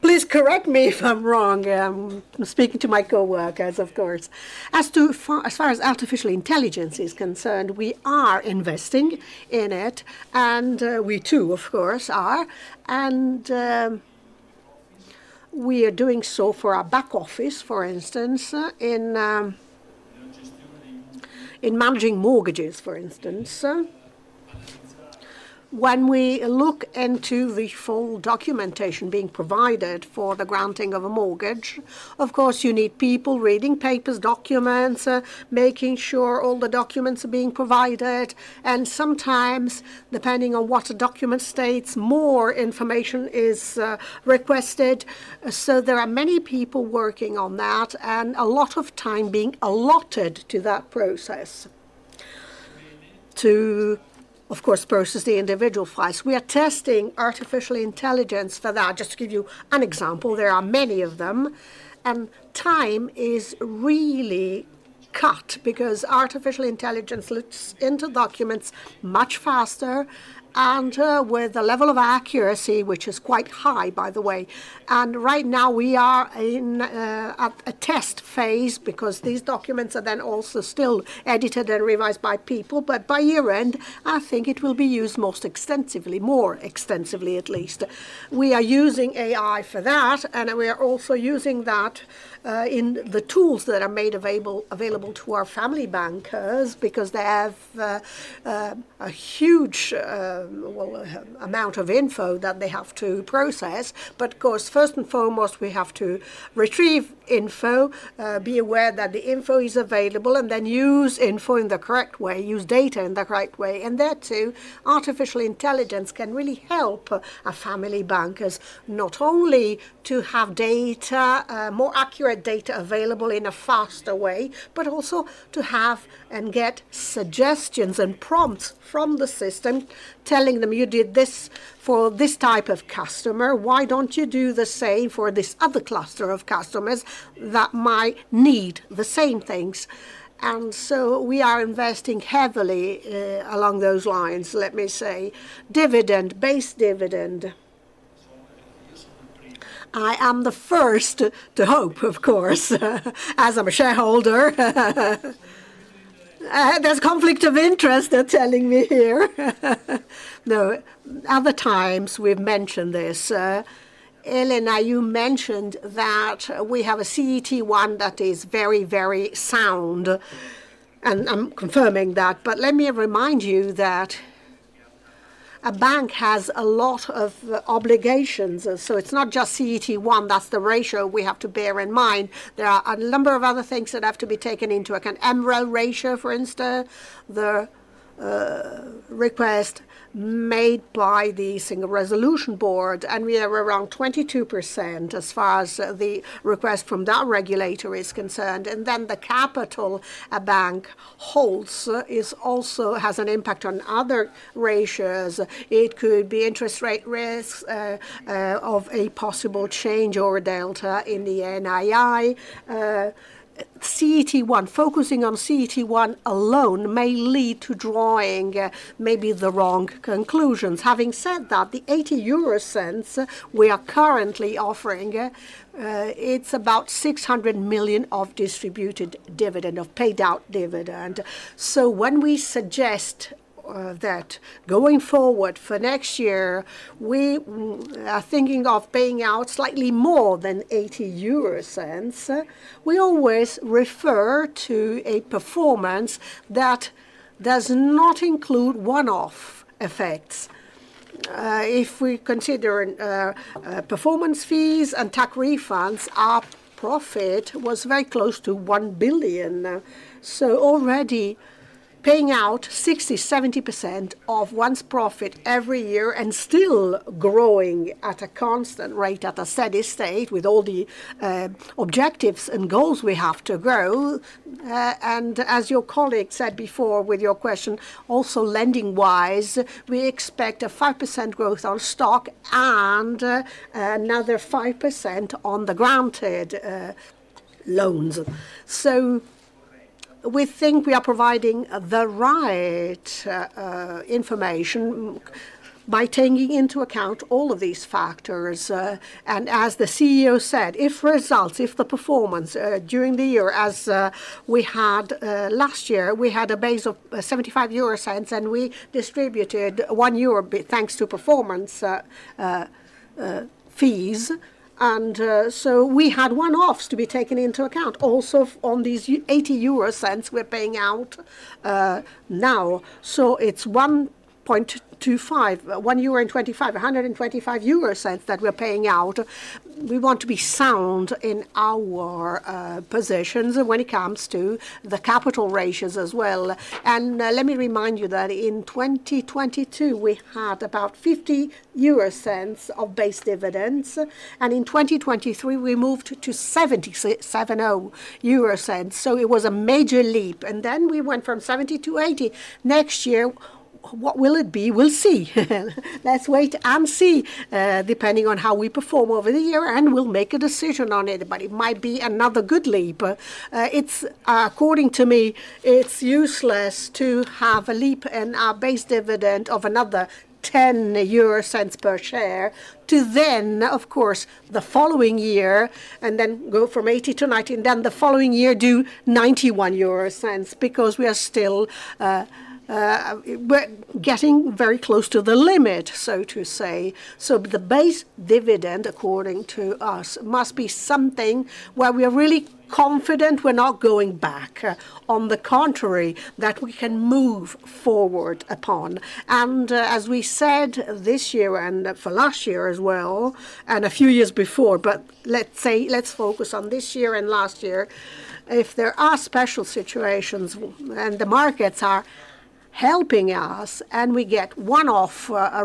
Please correct me if I'm wrong, speaking to my coworkers, of course. As far as artificial intelligence is concerned, we are investing in it, and we, too, of course, are. We are doing so for our back office, for instance, in managing mortgages, for instance. When we look into the full documentation being provided for the granting of a mortgage, of course, you need people reading papers, documents, making sure all the documents are being provided, and sometimes, depending on what a document states, more information is requested. So there are many people working on that, and a lot of time being allotted to that process, to, of course, process the individual files. We are testing artificial intelligence for that. Just to give you an example, there are many of them, and time is really cut because artificial intelligence looks into documents much faster and with a level of accuracy, which is quite high, by the way. And right now we are in a test phase because these documents are then also still edited and revised by people. But by year-end, I think it will be used most extensively, more extensively, at least. We are using AI for that, and we are also using that in the tools that are made available to our Family Bankers because they have a huge, well, amount of info that they have to process. But of course, first and foremost, we have to retrieve info, be aware that the info is available, and then use info in the correct way, use data in the correct way. And there, too, artificial intelligence can really help our Family Bankers, not only to have data, more accurate data available in a faster way, but also to have and get suggestions and prompts from the system telling them, "You did this for this type of customer. Why don't you do the same for this other cluster of customers that might need the same things?" And so we are investing heavily, along those lines, let me say. Dividend, base dividend. I am the first to hope, of course, as I'm a shareholder. There's conflict of interest, they're telling me here. No, other times we've mentioned this. Elena, you mentioned that we have a CET1 that is very, very sound, and I'm confirming that. But let me remind you that a bank has a lot of obligations, so it's not just CET1 that's the ratio we have to bear in mind. There are a number of other things that have to be taken into account. MREL ratio, for instance, the request made by the Single Resolution Board, and we are around 22% as far as the request from that regulator is concerned. And then the capital a bank holds is also, has an impact on other ratios. It could be interest rate risks, of a possible change or a delta in the NII. CET1, focusing on CET1 alone may lead to drawing maybe the wrong conclusions. Having said that, the 0.80 we are currently offering, it's about 600 million of distributed dividend, of paid out dividend. So when we suggest that going forward for next year, we are thinking of paying out slightly more than 0.80, we always refer to a performance that does not include one-off effects. If we consider performance fees and tax refunds, our profit was very close to 1 billion. So already paying out 60%-70% of one's profit every year and still growing at a constant rate, at a steady state, with all the objectives and goals we have to grow. And as your colleague said before with your question, also lending-wise, we expect a 5% growth on stock and another 5% on the granted loans. So we think we are providing the right information by taking into account all of these factors. As the CEO said, if results, if the performance during the year, as we had last year, we had a base of 0.75, and we distributed 1 euro, thanks to performance fees. So we had one-offs to be taken into account, also on these 0.80 we're paying out now. So it's 1.25 euro, 1.25 euro that we're paying out. We want to be sound in our positions when it comes to the capital ratios as well. Let me remind you that in 2022, we had about 0.50 of base dividends, and in 2023, we moved to 0.70, so it was a major leap. Then we went from 70 to 80. Next year, what will it be? We'll see. Let's wait and see, depending on how we perform over the year, and we'll make a decision on it, but it might be another good leap. According to me, it's useless to have a leap in our base dividend of another 0.10 per share to then, of course, the following year, and then go from 80 to 90, and then the following year do 0.91, because we are still, we're getting very close to the limit, so to say. So the base dividend, according to us, must be something where we are really confident we're not going back. On the contrary, that we can move forward upon. As we said this year, and for last year as well, and a few years before, but let's say, let's focus on this year and last year, if there are special situations, and the markets are helping us, and we get one-off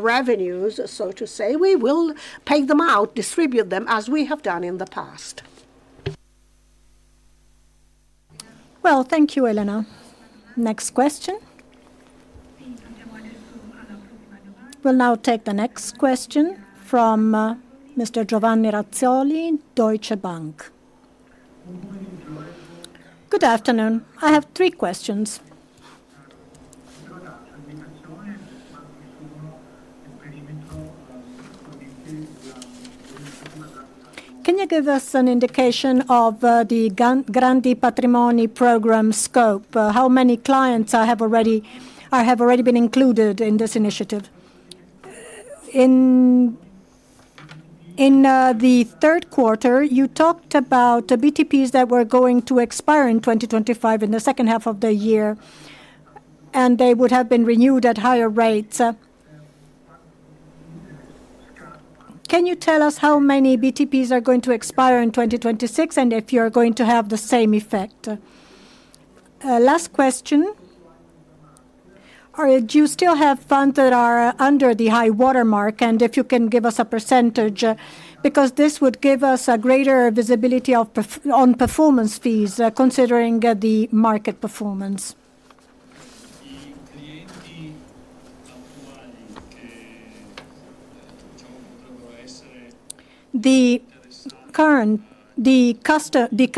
revenues, so to say, we will pay them out, distribute them as we have done in the past. Well, thank you, Elena. Next question. We'll now take the next question from, Mr. Giovanni Razzoli, Deutsche Bank. Good morning to everyone. Good afternoon. I have three questions. Can you give us an indication of the Grandi Patrimoni program scope? How many clients have already been included in this initiative? In the third quarter, you talked about the BTPs that were going to expire in 2025, in the second half of the year, and they would have been renewed at higher rates. Can you tell us how many BTPs are going to expire in 2026, and if you're going to have the same effect? Last question: All right, do you still have funds that are under the high water mark? And if you can give us a percentage, because this would give us a greater visibility on performance fees, considering the market performance. The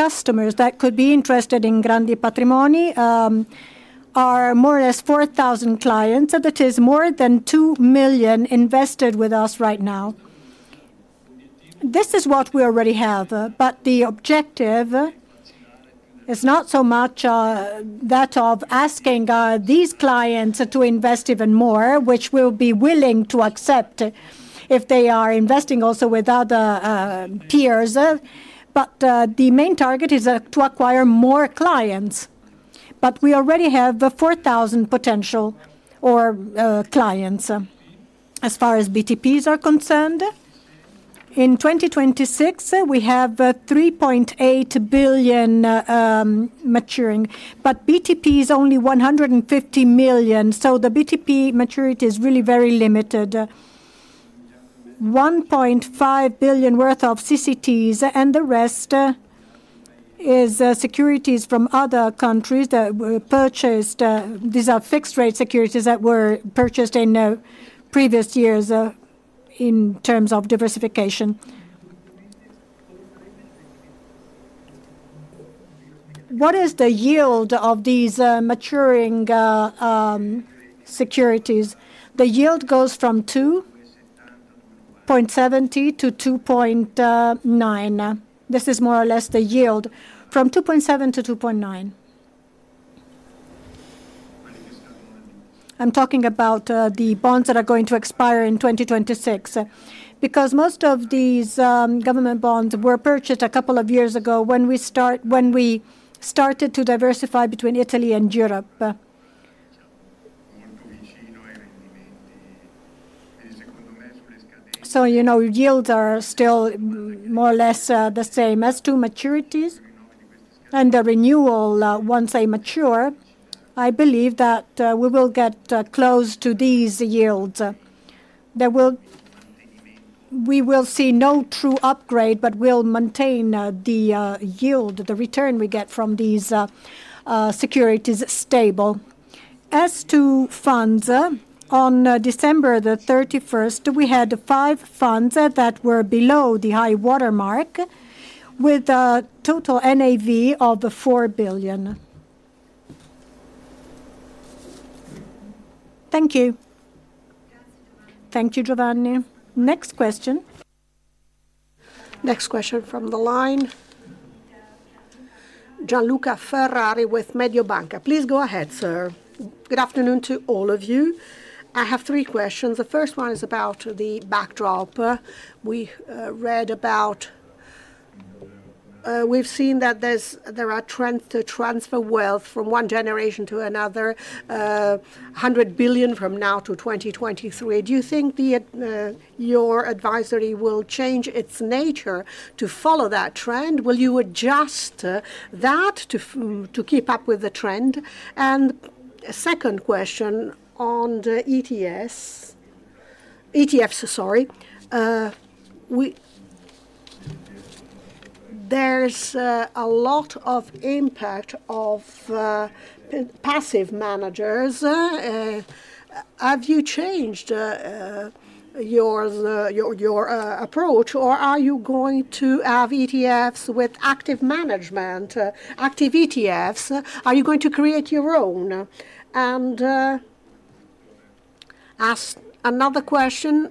customers that could be interested in Grandi Patrimoni are more or less 4,000 clients, and it is more than 2 million invested with us right now. This is what we already have, but the objective is not so much that of asking these clients to invest even more, which we'll be willing to accept if they are investing also with other peers. But the main target is to acquire more clients, but we already have the 4,000 potential or clients. As far as BTPs are concerned, in 2026, we have 3.8 billion maturing, but BTP is only 150 million, so the BTP maturity is really very limited. 1.5 billion worth of CCTs, and the rest is securities from other countries that were purchased. These are fixed rate securities that were purchased in previous years in terms of diversification. What is the yield of these maturing securities? The yield goes from 2.70% to 2.9%. This is more or less the yield, from 2.7% to 2.9%. I'm talking about the bonds that are going to expire in 2026. Because most of these government bonds were purchased a couple of years ago when we start, when we started to diversify between Italy and Europe. So, you know, yields are still more or less the same. As to maturities and the renewal, once they mature, I believe that we will get close to these yields. There will. We will see no true upgrade, but we'll maintain the yield, the return we get from these securities stable. As to funds, on December the 31st, we had five funds that were below the High Water Mark, with a total NAV of 4 billion. Thank you. Thank you, Giovanni. Next question? Next question from the line. Gianluca Ferrari with Mediobanca. Please go ahead, sir. Good afternoon to all of you. I have three questions. The first one is about the backdrop. We've seen that there are trends to transfer wealth from one generation to another, 100 billion from now to 2023. Do you think that your advisory will change its nature to follow that trend? Will you adjust that to keep up with the trend? And second question on the ETFs, sorry. There's a lot of impact of passive managers. Have you changed your approach, or are you going to have ETFs with active management, active ETFs? Are you going to create your own? As another question,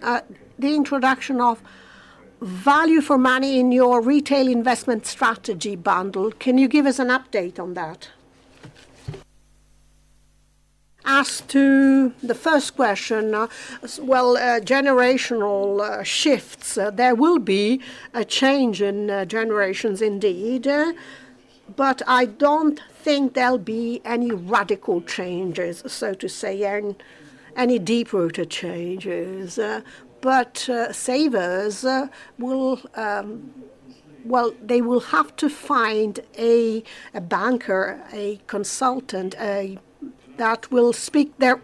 the introduction of Value for Money in your retail investment strategy bundle, can you give us an update on that? As to the first question, well, generational shifts, there will be a change in generations indeed, but I don't think there'll be any radical changes, so to say, any deep-rooted changes. But savers will have to find a banker, a consultant, that will speak their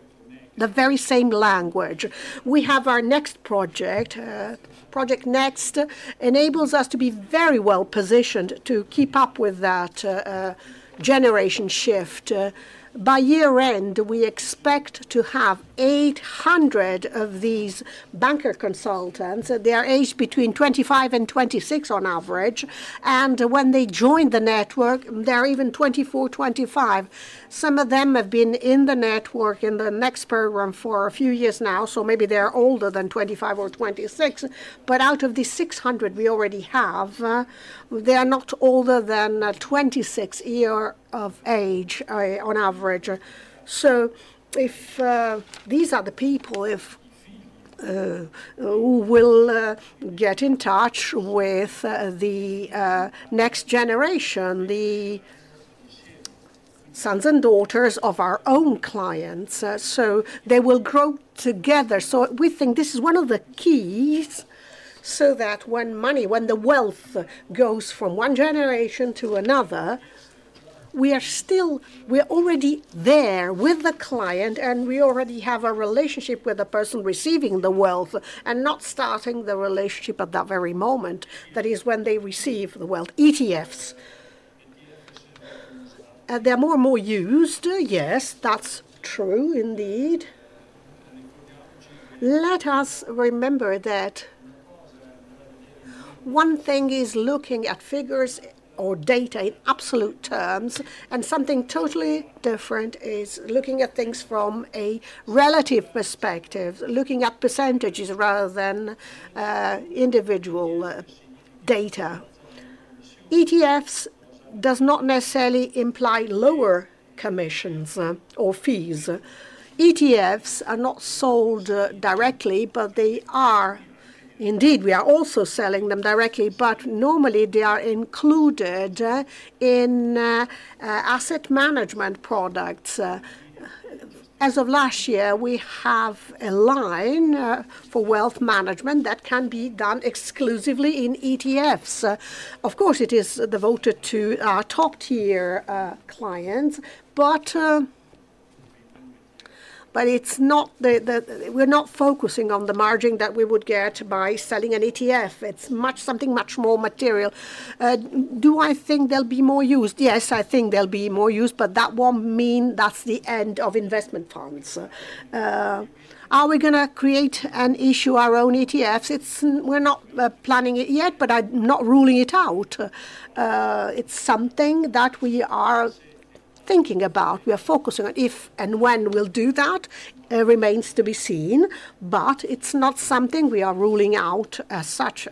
very same language. We have our Next project. Project Next enables us to be very well positioned to keep up with that generation shift. By year end, we expect to have 800 of these banker consultants. They are aged between 25 and 26 on average, and when they join the network, they're even 24, 25. Some of them have been in the network, in the Next program, for a few years now, so maybe they are older than 25 or 26. But out of the 600 we already have, they are not older than 26 year of age, on average. So if these are the people who will get in touch with the next generation, the sons and daughters of our own clients, so they will grow together. So we think this is one of the keys, so that when money, when the wealth goes from one generation to another, we are still, we are already there with the client, and we already have a relationship with the person receiving the wealth and not starting the relationship at that very moment. That is when they receive the wealth. ETFs, they're more and more used. Yes, that's true indeed. Let us remember that one thing is looking at figures or data in absolute terms, and something totally different is looking at things from a relative perspective, looking at percentages rather than individual data. ETFs does not necessarily imply lower commissions or fees. ETFs are not sold directly, but they are... Indeed, we are also selling them directly, but normally they are included in asset management products. As of last year, we have a line for wealth management that can be done exclusively in ETFs. Of course, it is devoted to our top-tier clients, we're not focusing on the margin that we would get by selling an ETF. It's much, something much more material. Do I think they'll be more used? Yes, I think they'll be more used, but that won't mean that's the end of investment funds. Are we gonna create and issue our own ETFs? We're not planning it yet, but I'm not ruling it out. It's something that we are thinking about. We are focusing on. If and when we'll do that, remains to be seen, but it's not something we are ruling out as such.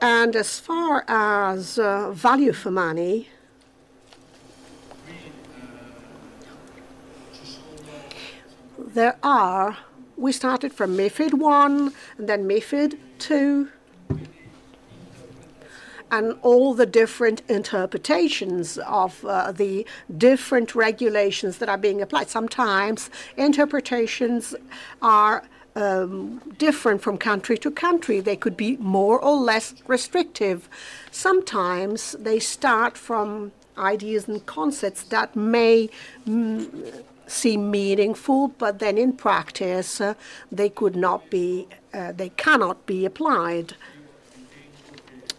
And as far as value for money, there are... We started from MiFID I, and then MiFID II... and all the different interpretations of the different regulations that are being applied. Sometimes interpretations are different from country to country. They could be more or less restrictive. Sometimes they start from ideas and concepts that may seem meaningful, but then in practice, they could not be, they cannot be applied.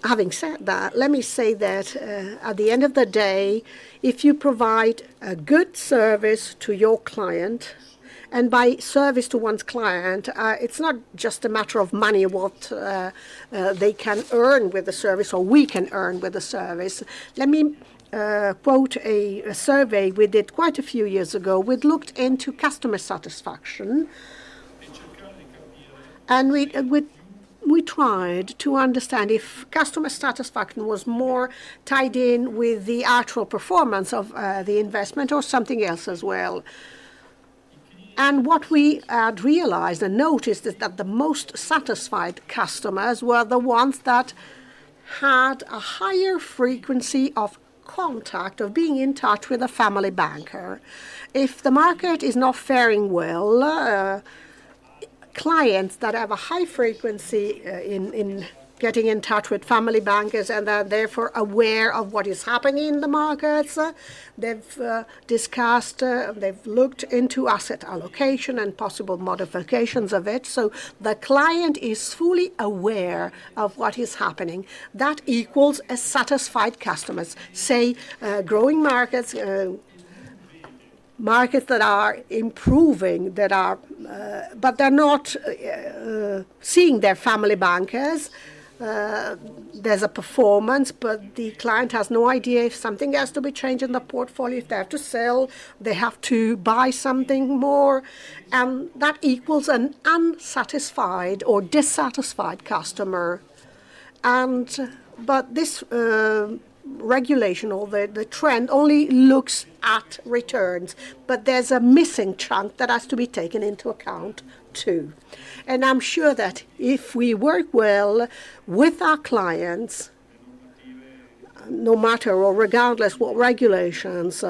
Having said that, let me say that, at the end of the day, if you provide a good service to your client, and by service to one's client, it's not just a matter of money, they can earn with the service or we can earn with the service. Let me quote a survey we did quite a few years ago. We looked into customer satisfaction, and we tried to understand if customer satisfaction was more tied in with the actual performance of the investment or something else as well. And what we had realized and noticed is that the most satisfied customers were the ones that had a higher frequency of contact, of being in touch with a Family Banker. If the market is not faring well, clients that have a high frequency in getting in touch with Family Bankers and are therefore aware of what is happening in the markets, they've discussed they've looked into asset allocation and possible modifications of it. So the client is fully aware of what is happening. That equals a satisfied customers. Say, growing markets, markets that are improving, that are but they're not seeing their Family Bankers. There's a performance, but the client has no idea if something has to be changed in the portfolio, if they have to sell, they have to buy something more, and that equals an unsatisfied or dissatisfied customer. And but this regulation or the trend only looks at returns, but there's a missing chunk that has to be taken into account, too. I'm sure that if we work well with our clients, no matter or regardless what regulations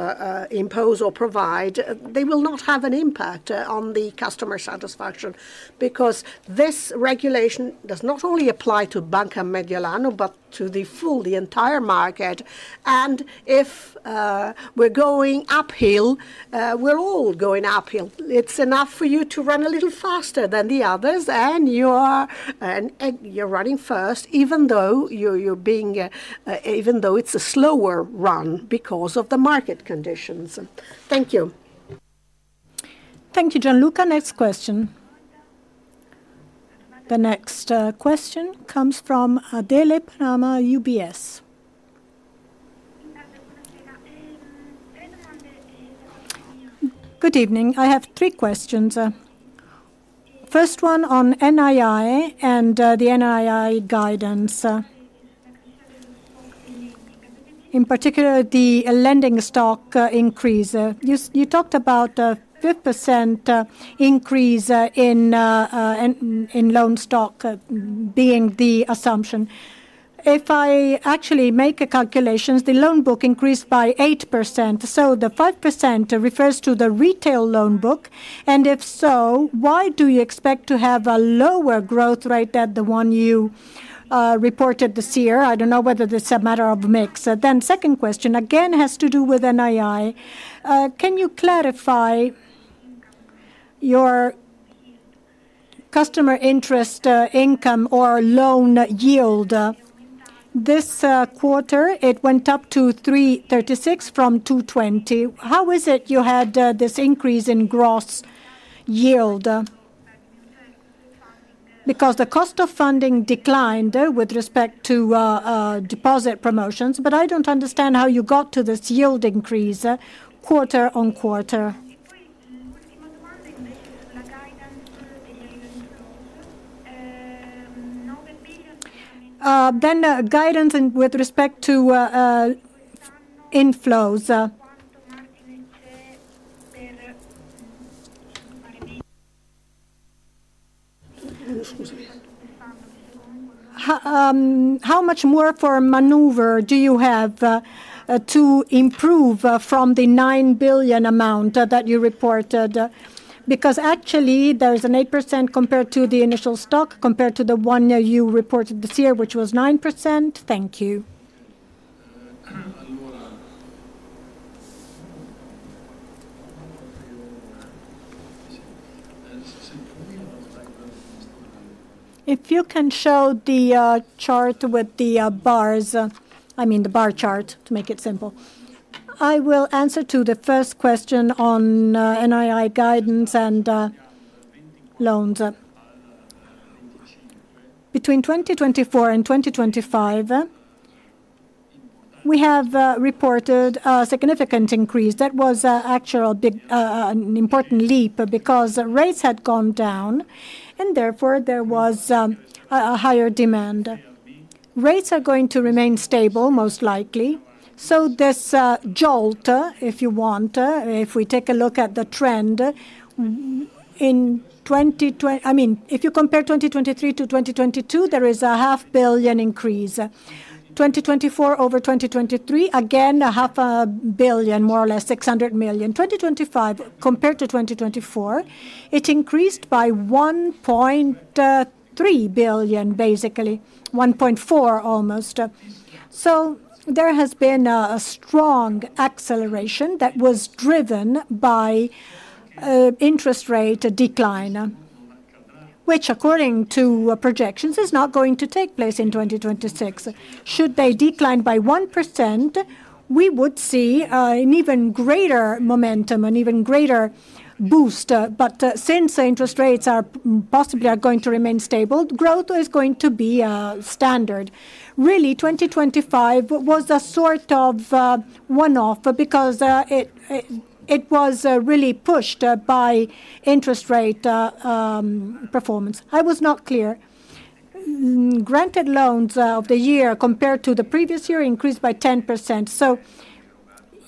impose or provide, they will not have an impact on the customer satisfaction. Because this regulation does not only apply to Banca Mediolanum, but to the full, the entire market. And if we're going uphill, we're all going uphill. It's enough for you to run a little faster than the others, and you are, and you're running first, even though you're being, even though it's a slower run because of the market conditions. Thank you. Thank you, Gianluca. Next question. The next question comes from Adele Palama, UBS. Good evening. I have three questions. First one on NII and the NII guidance, in particular, the lending stock increase. You talked about a 5% increase in loan stock being the assumption. If I actually make a calculations, the loan book increased by 8%, so the 5% refers to the retail loan book, and if so, why do you expect to have a lower growth rate than the one you reported this year? I don't know whether this is a matter of mix. Second question, again, has to do with NII. Can you clarify your customer interest income or loan yield? This quarter, it went up to 3.36 from 2.20. How is it you had this increase in gross yield? Because the cost of funding declined, with respect to, deposit promotions, but I don't understand how you got to this yield increase, quarter-on-quarter. Then, guidance and with respect to, inflows. Excuse me. How much more room for maneuver do you have, to improve, from the 9 billion amount, that you reported? Because actually, there is an 8% compared to the initial stock, compared to the one, you reported this year, which was 9%. Thank you. If you can show the chart with the bars, I mean the bar chart, to make it simple. I will answer to the first question on NII guidance and loans. Between 2024 and 2025, we have reported a significant increase. That was actual big, an important leap, because rates had gone down and therefore there was a higher demand. Rates are going to remain stable, most likely, so this jolt, if you want, if we take a look at the trend, I mean, if you compare 2023 to 2022, there is a 500 million increase. 2024 over 2023, again, 500 million, more or less 600 million. 2025, compared to 2024, it increased by 1.3 billion, basically, almost EUR 1.4 billion. So there has been a strong acceleration that was driven by interest rate decline, which, according to projections, is not going to take place in 2026. Should they decline by 1%, we would see an even greater momentum, an even greater boost. But since the interest rates are possibly going to remain stable, growth is going to be standard. Really, 2025 was a sort of one-off, because it was really pushed by interest rate performance. I was not clear. Granted loans of the year, compared to the previous year, increased by 10%. So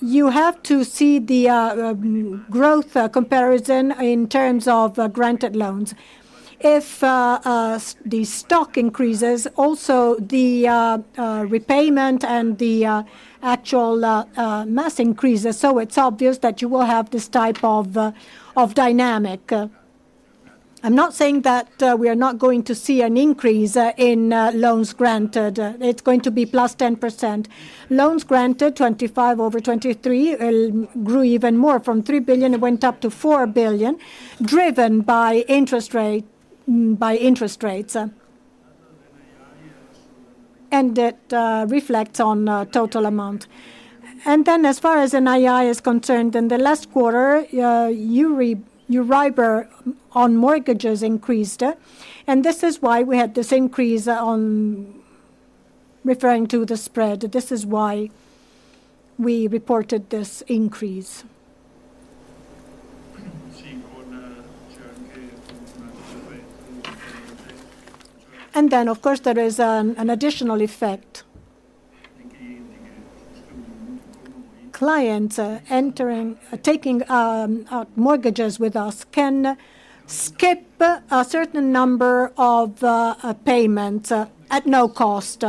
you have to see the growth comparison in terms of granted loans. If the stock increases, also the repayment and the actual mass increases, so it's obvious that you will have this type of dynamic. I'm not saying that we are not going to see an increase in loans granted. It's going to be +10%. Loans granted, 2025 over 2023, grew even more. From 3 billion, it went up to 4 billion, driven by interest rates. And that reflects on total amount. And then, as far as NII is concerned, in the last quarter, EURIBOR on mortgages increased, and this is why we had this increase on the spread. Referring to the spread, this is why we reported this increase. And then, of course, there is an additional effect. Clients taking mortgages with us can skip a certain number of payments at no cost.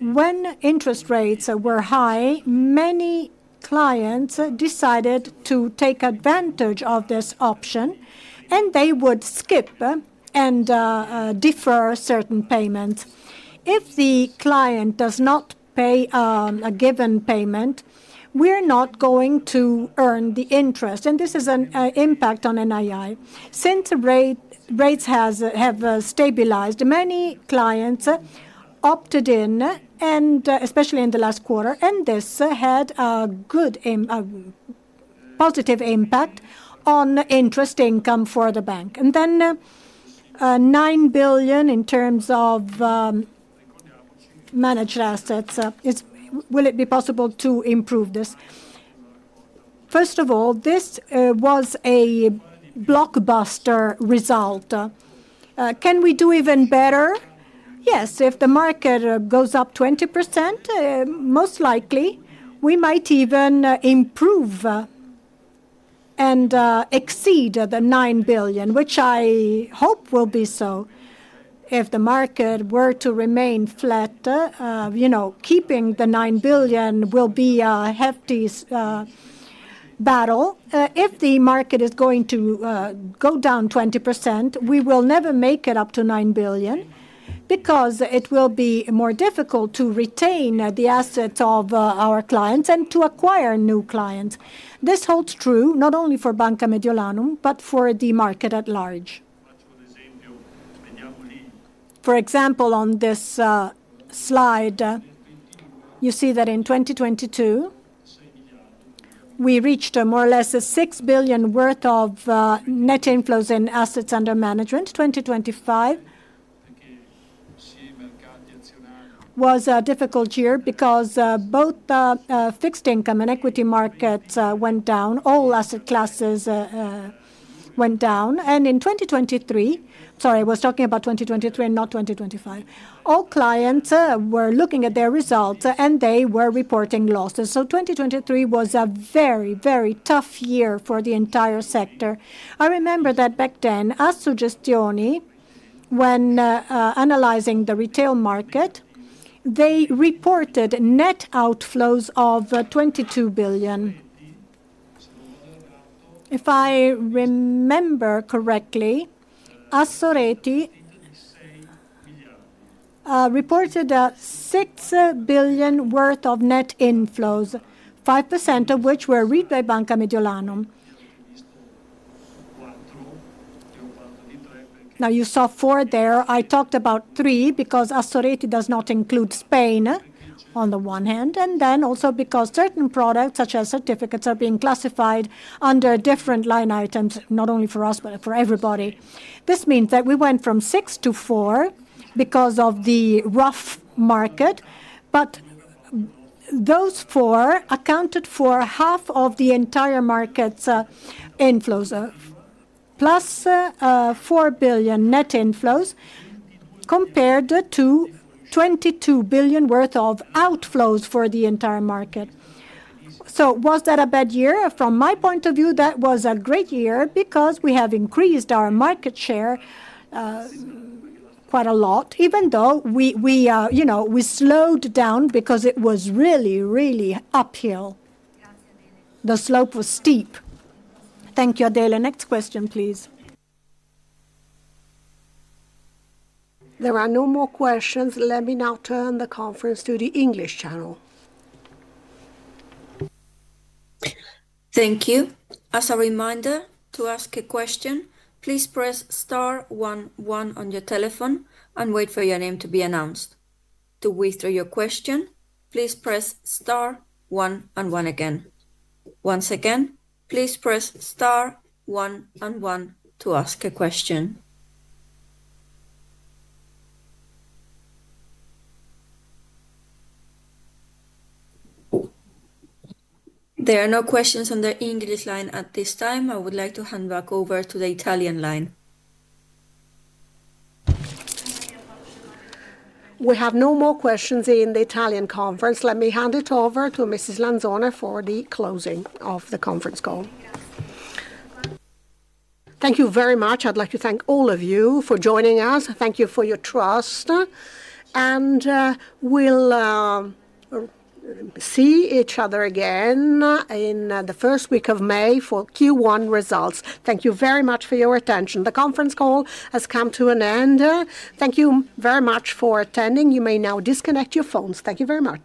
When interest rates were high, many clients decided to take advantage of this option, and they would skip and defer certain payments. If the client does not pay a given payment, we're not going to earn the interest, and this is an impact on NII. Since rates have stabilized, many clients opted in, and especially in the last quarter, and this had a good impact, a positive impact on interest income for the bank. And then, 9 billion in terms of managed assets is. Will it be possible to improve this? First of all, this was a blockbuster result. Can we do even better? Yes, if the market goes up 20%, most likely, we might even improve and exceed the 9 billion, which I hope will be so. If the market were to remain flat, you know, keeping the 9 billion will be a hefty battle. If the market is going to go down 20%, we will never make it up to 9 billion, because it will be more difficult to retain the assets of our clients and to acquire new clients. This holds true not only for Banca Mediolanum, but for the market at large. For example, on this slide, you see that in 2022, we reached more or less 6 billion worth of net inflows in assets under management. 2025 was a difficult year because both the fixed income and equity markets went down. All asset classes went down. And in 2023... Sorry, I was talking about 2023, not 2025. All clients were looking at their results, and they were reporting losses. So 2023 was a very, very tough year for the entire sector. I remember that back then, Assogestioni, when analyzing the retail market, they reported net outflows of EUR 22 billion. If I remember correctly, Assoreti reported a 6 billion worth of net inflows, 5% of which were read by Banca Mediolanum. Now, you saw four there. I talked about three, because Assoreti does not include Spain, on the one hand, and then also because certain products, such as certificates, are being classified under different line items, not only for us, but for everybody. This means that we went from six to four because of the rough market, but those four accounted for half of the entire market's inflows. Plus four billion net inflows compared to 22 billion worth of outflows for the entire market. So was that a bad year? From my point of view, that was a great year because we have increased our market share, quite a lot, even though we, you know, we slowed down because it was really, really uphill. The slope was steep. Thank you, Adele. Next question, please. There are no more questions. Let me now turn the conference to the English channel. Thank you. As a reminder, to ask a question, please press star one one on your telephone and wait for your name to be announced. To withdraw your question, please press star one and one again. Once again, please press star one and one to ask a question. There are no questions on the English line at this time. I would like to hand back over to the Italian line. We have no more questions in the Italian conference. Let me hand it over to Mrs. Lanzone for the closing of the conference call. Thank you very much. I'd like to thank all of you for joining us. Thank you for your trust, and we'll see each other again in the first week of May for Q1 results. Thank you very much for your attention. The conference call has come to an end. Thank you very much for attending. You may now disconnect your phones. Thank you very much.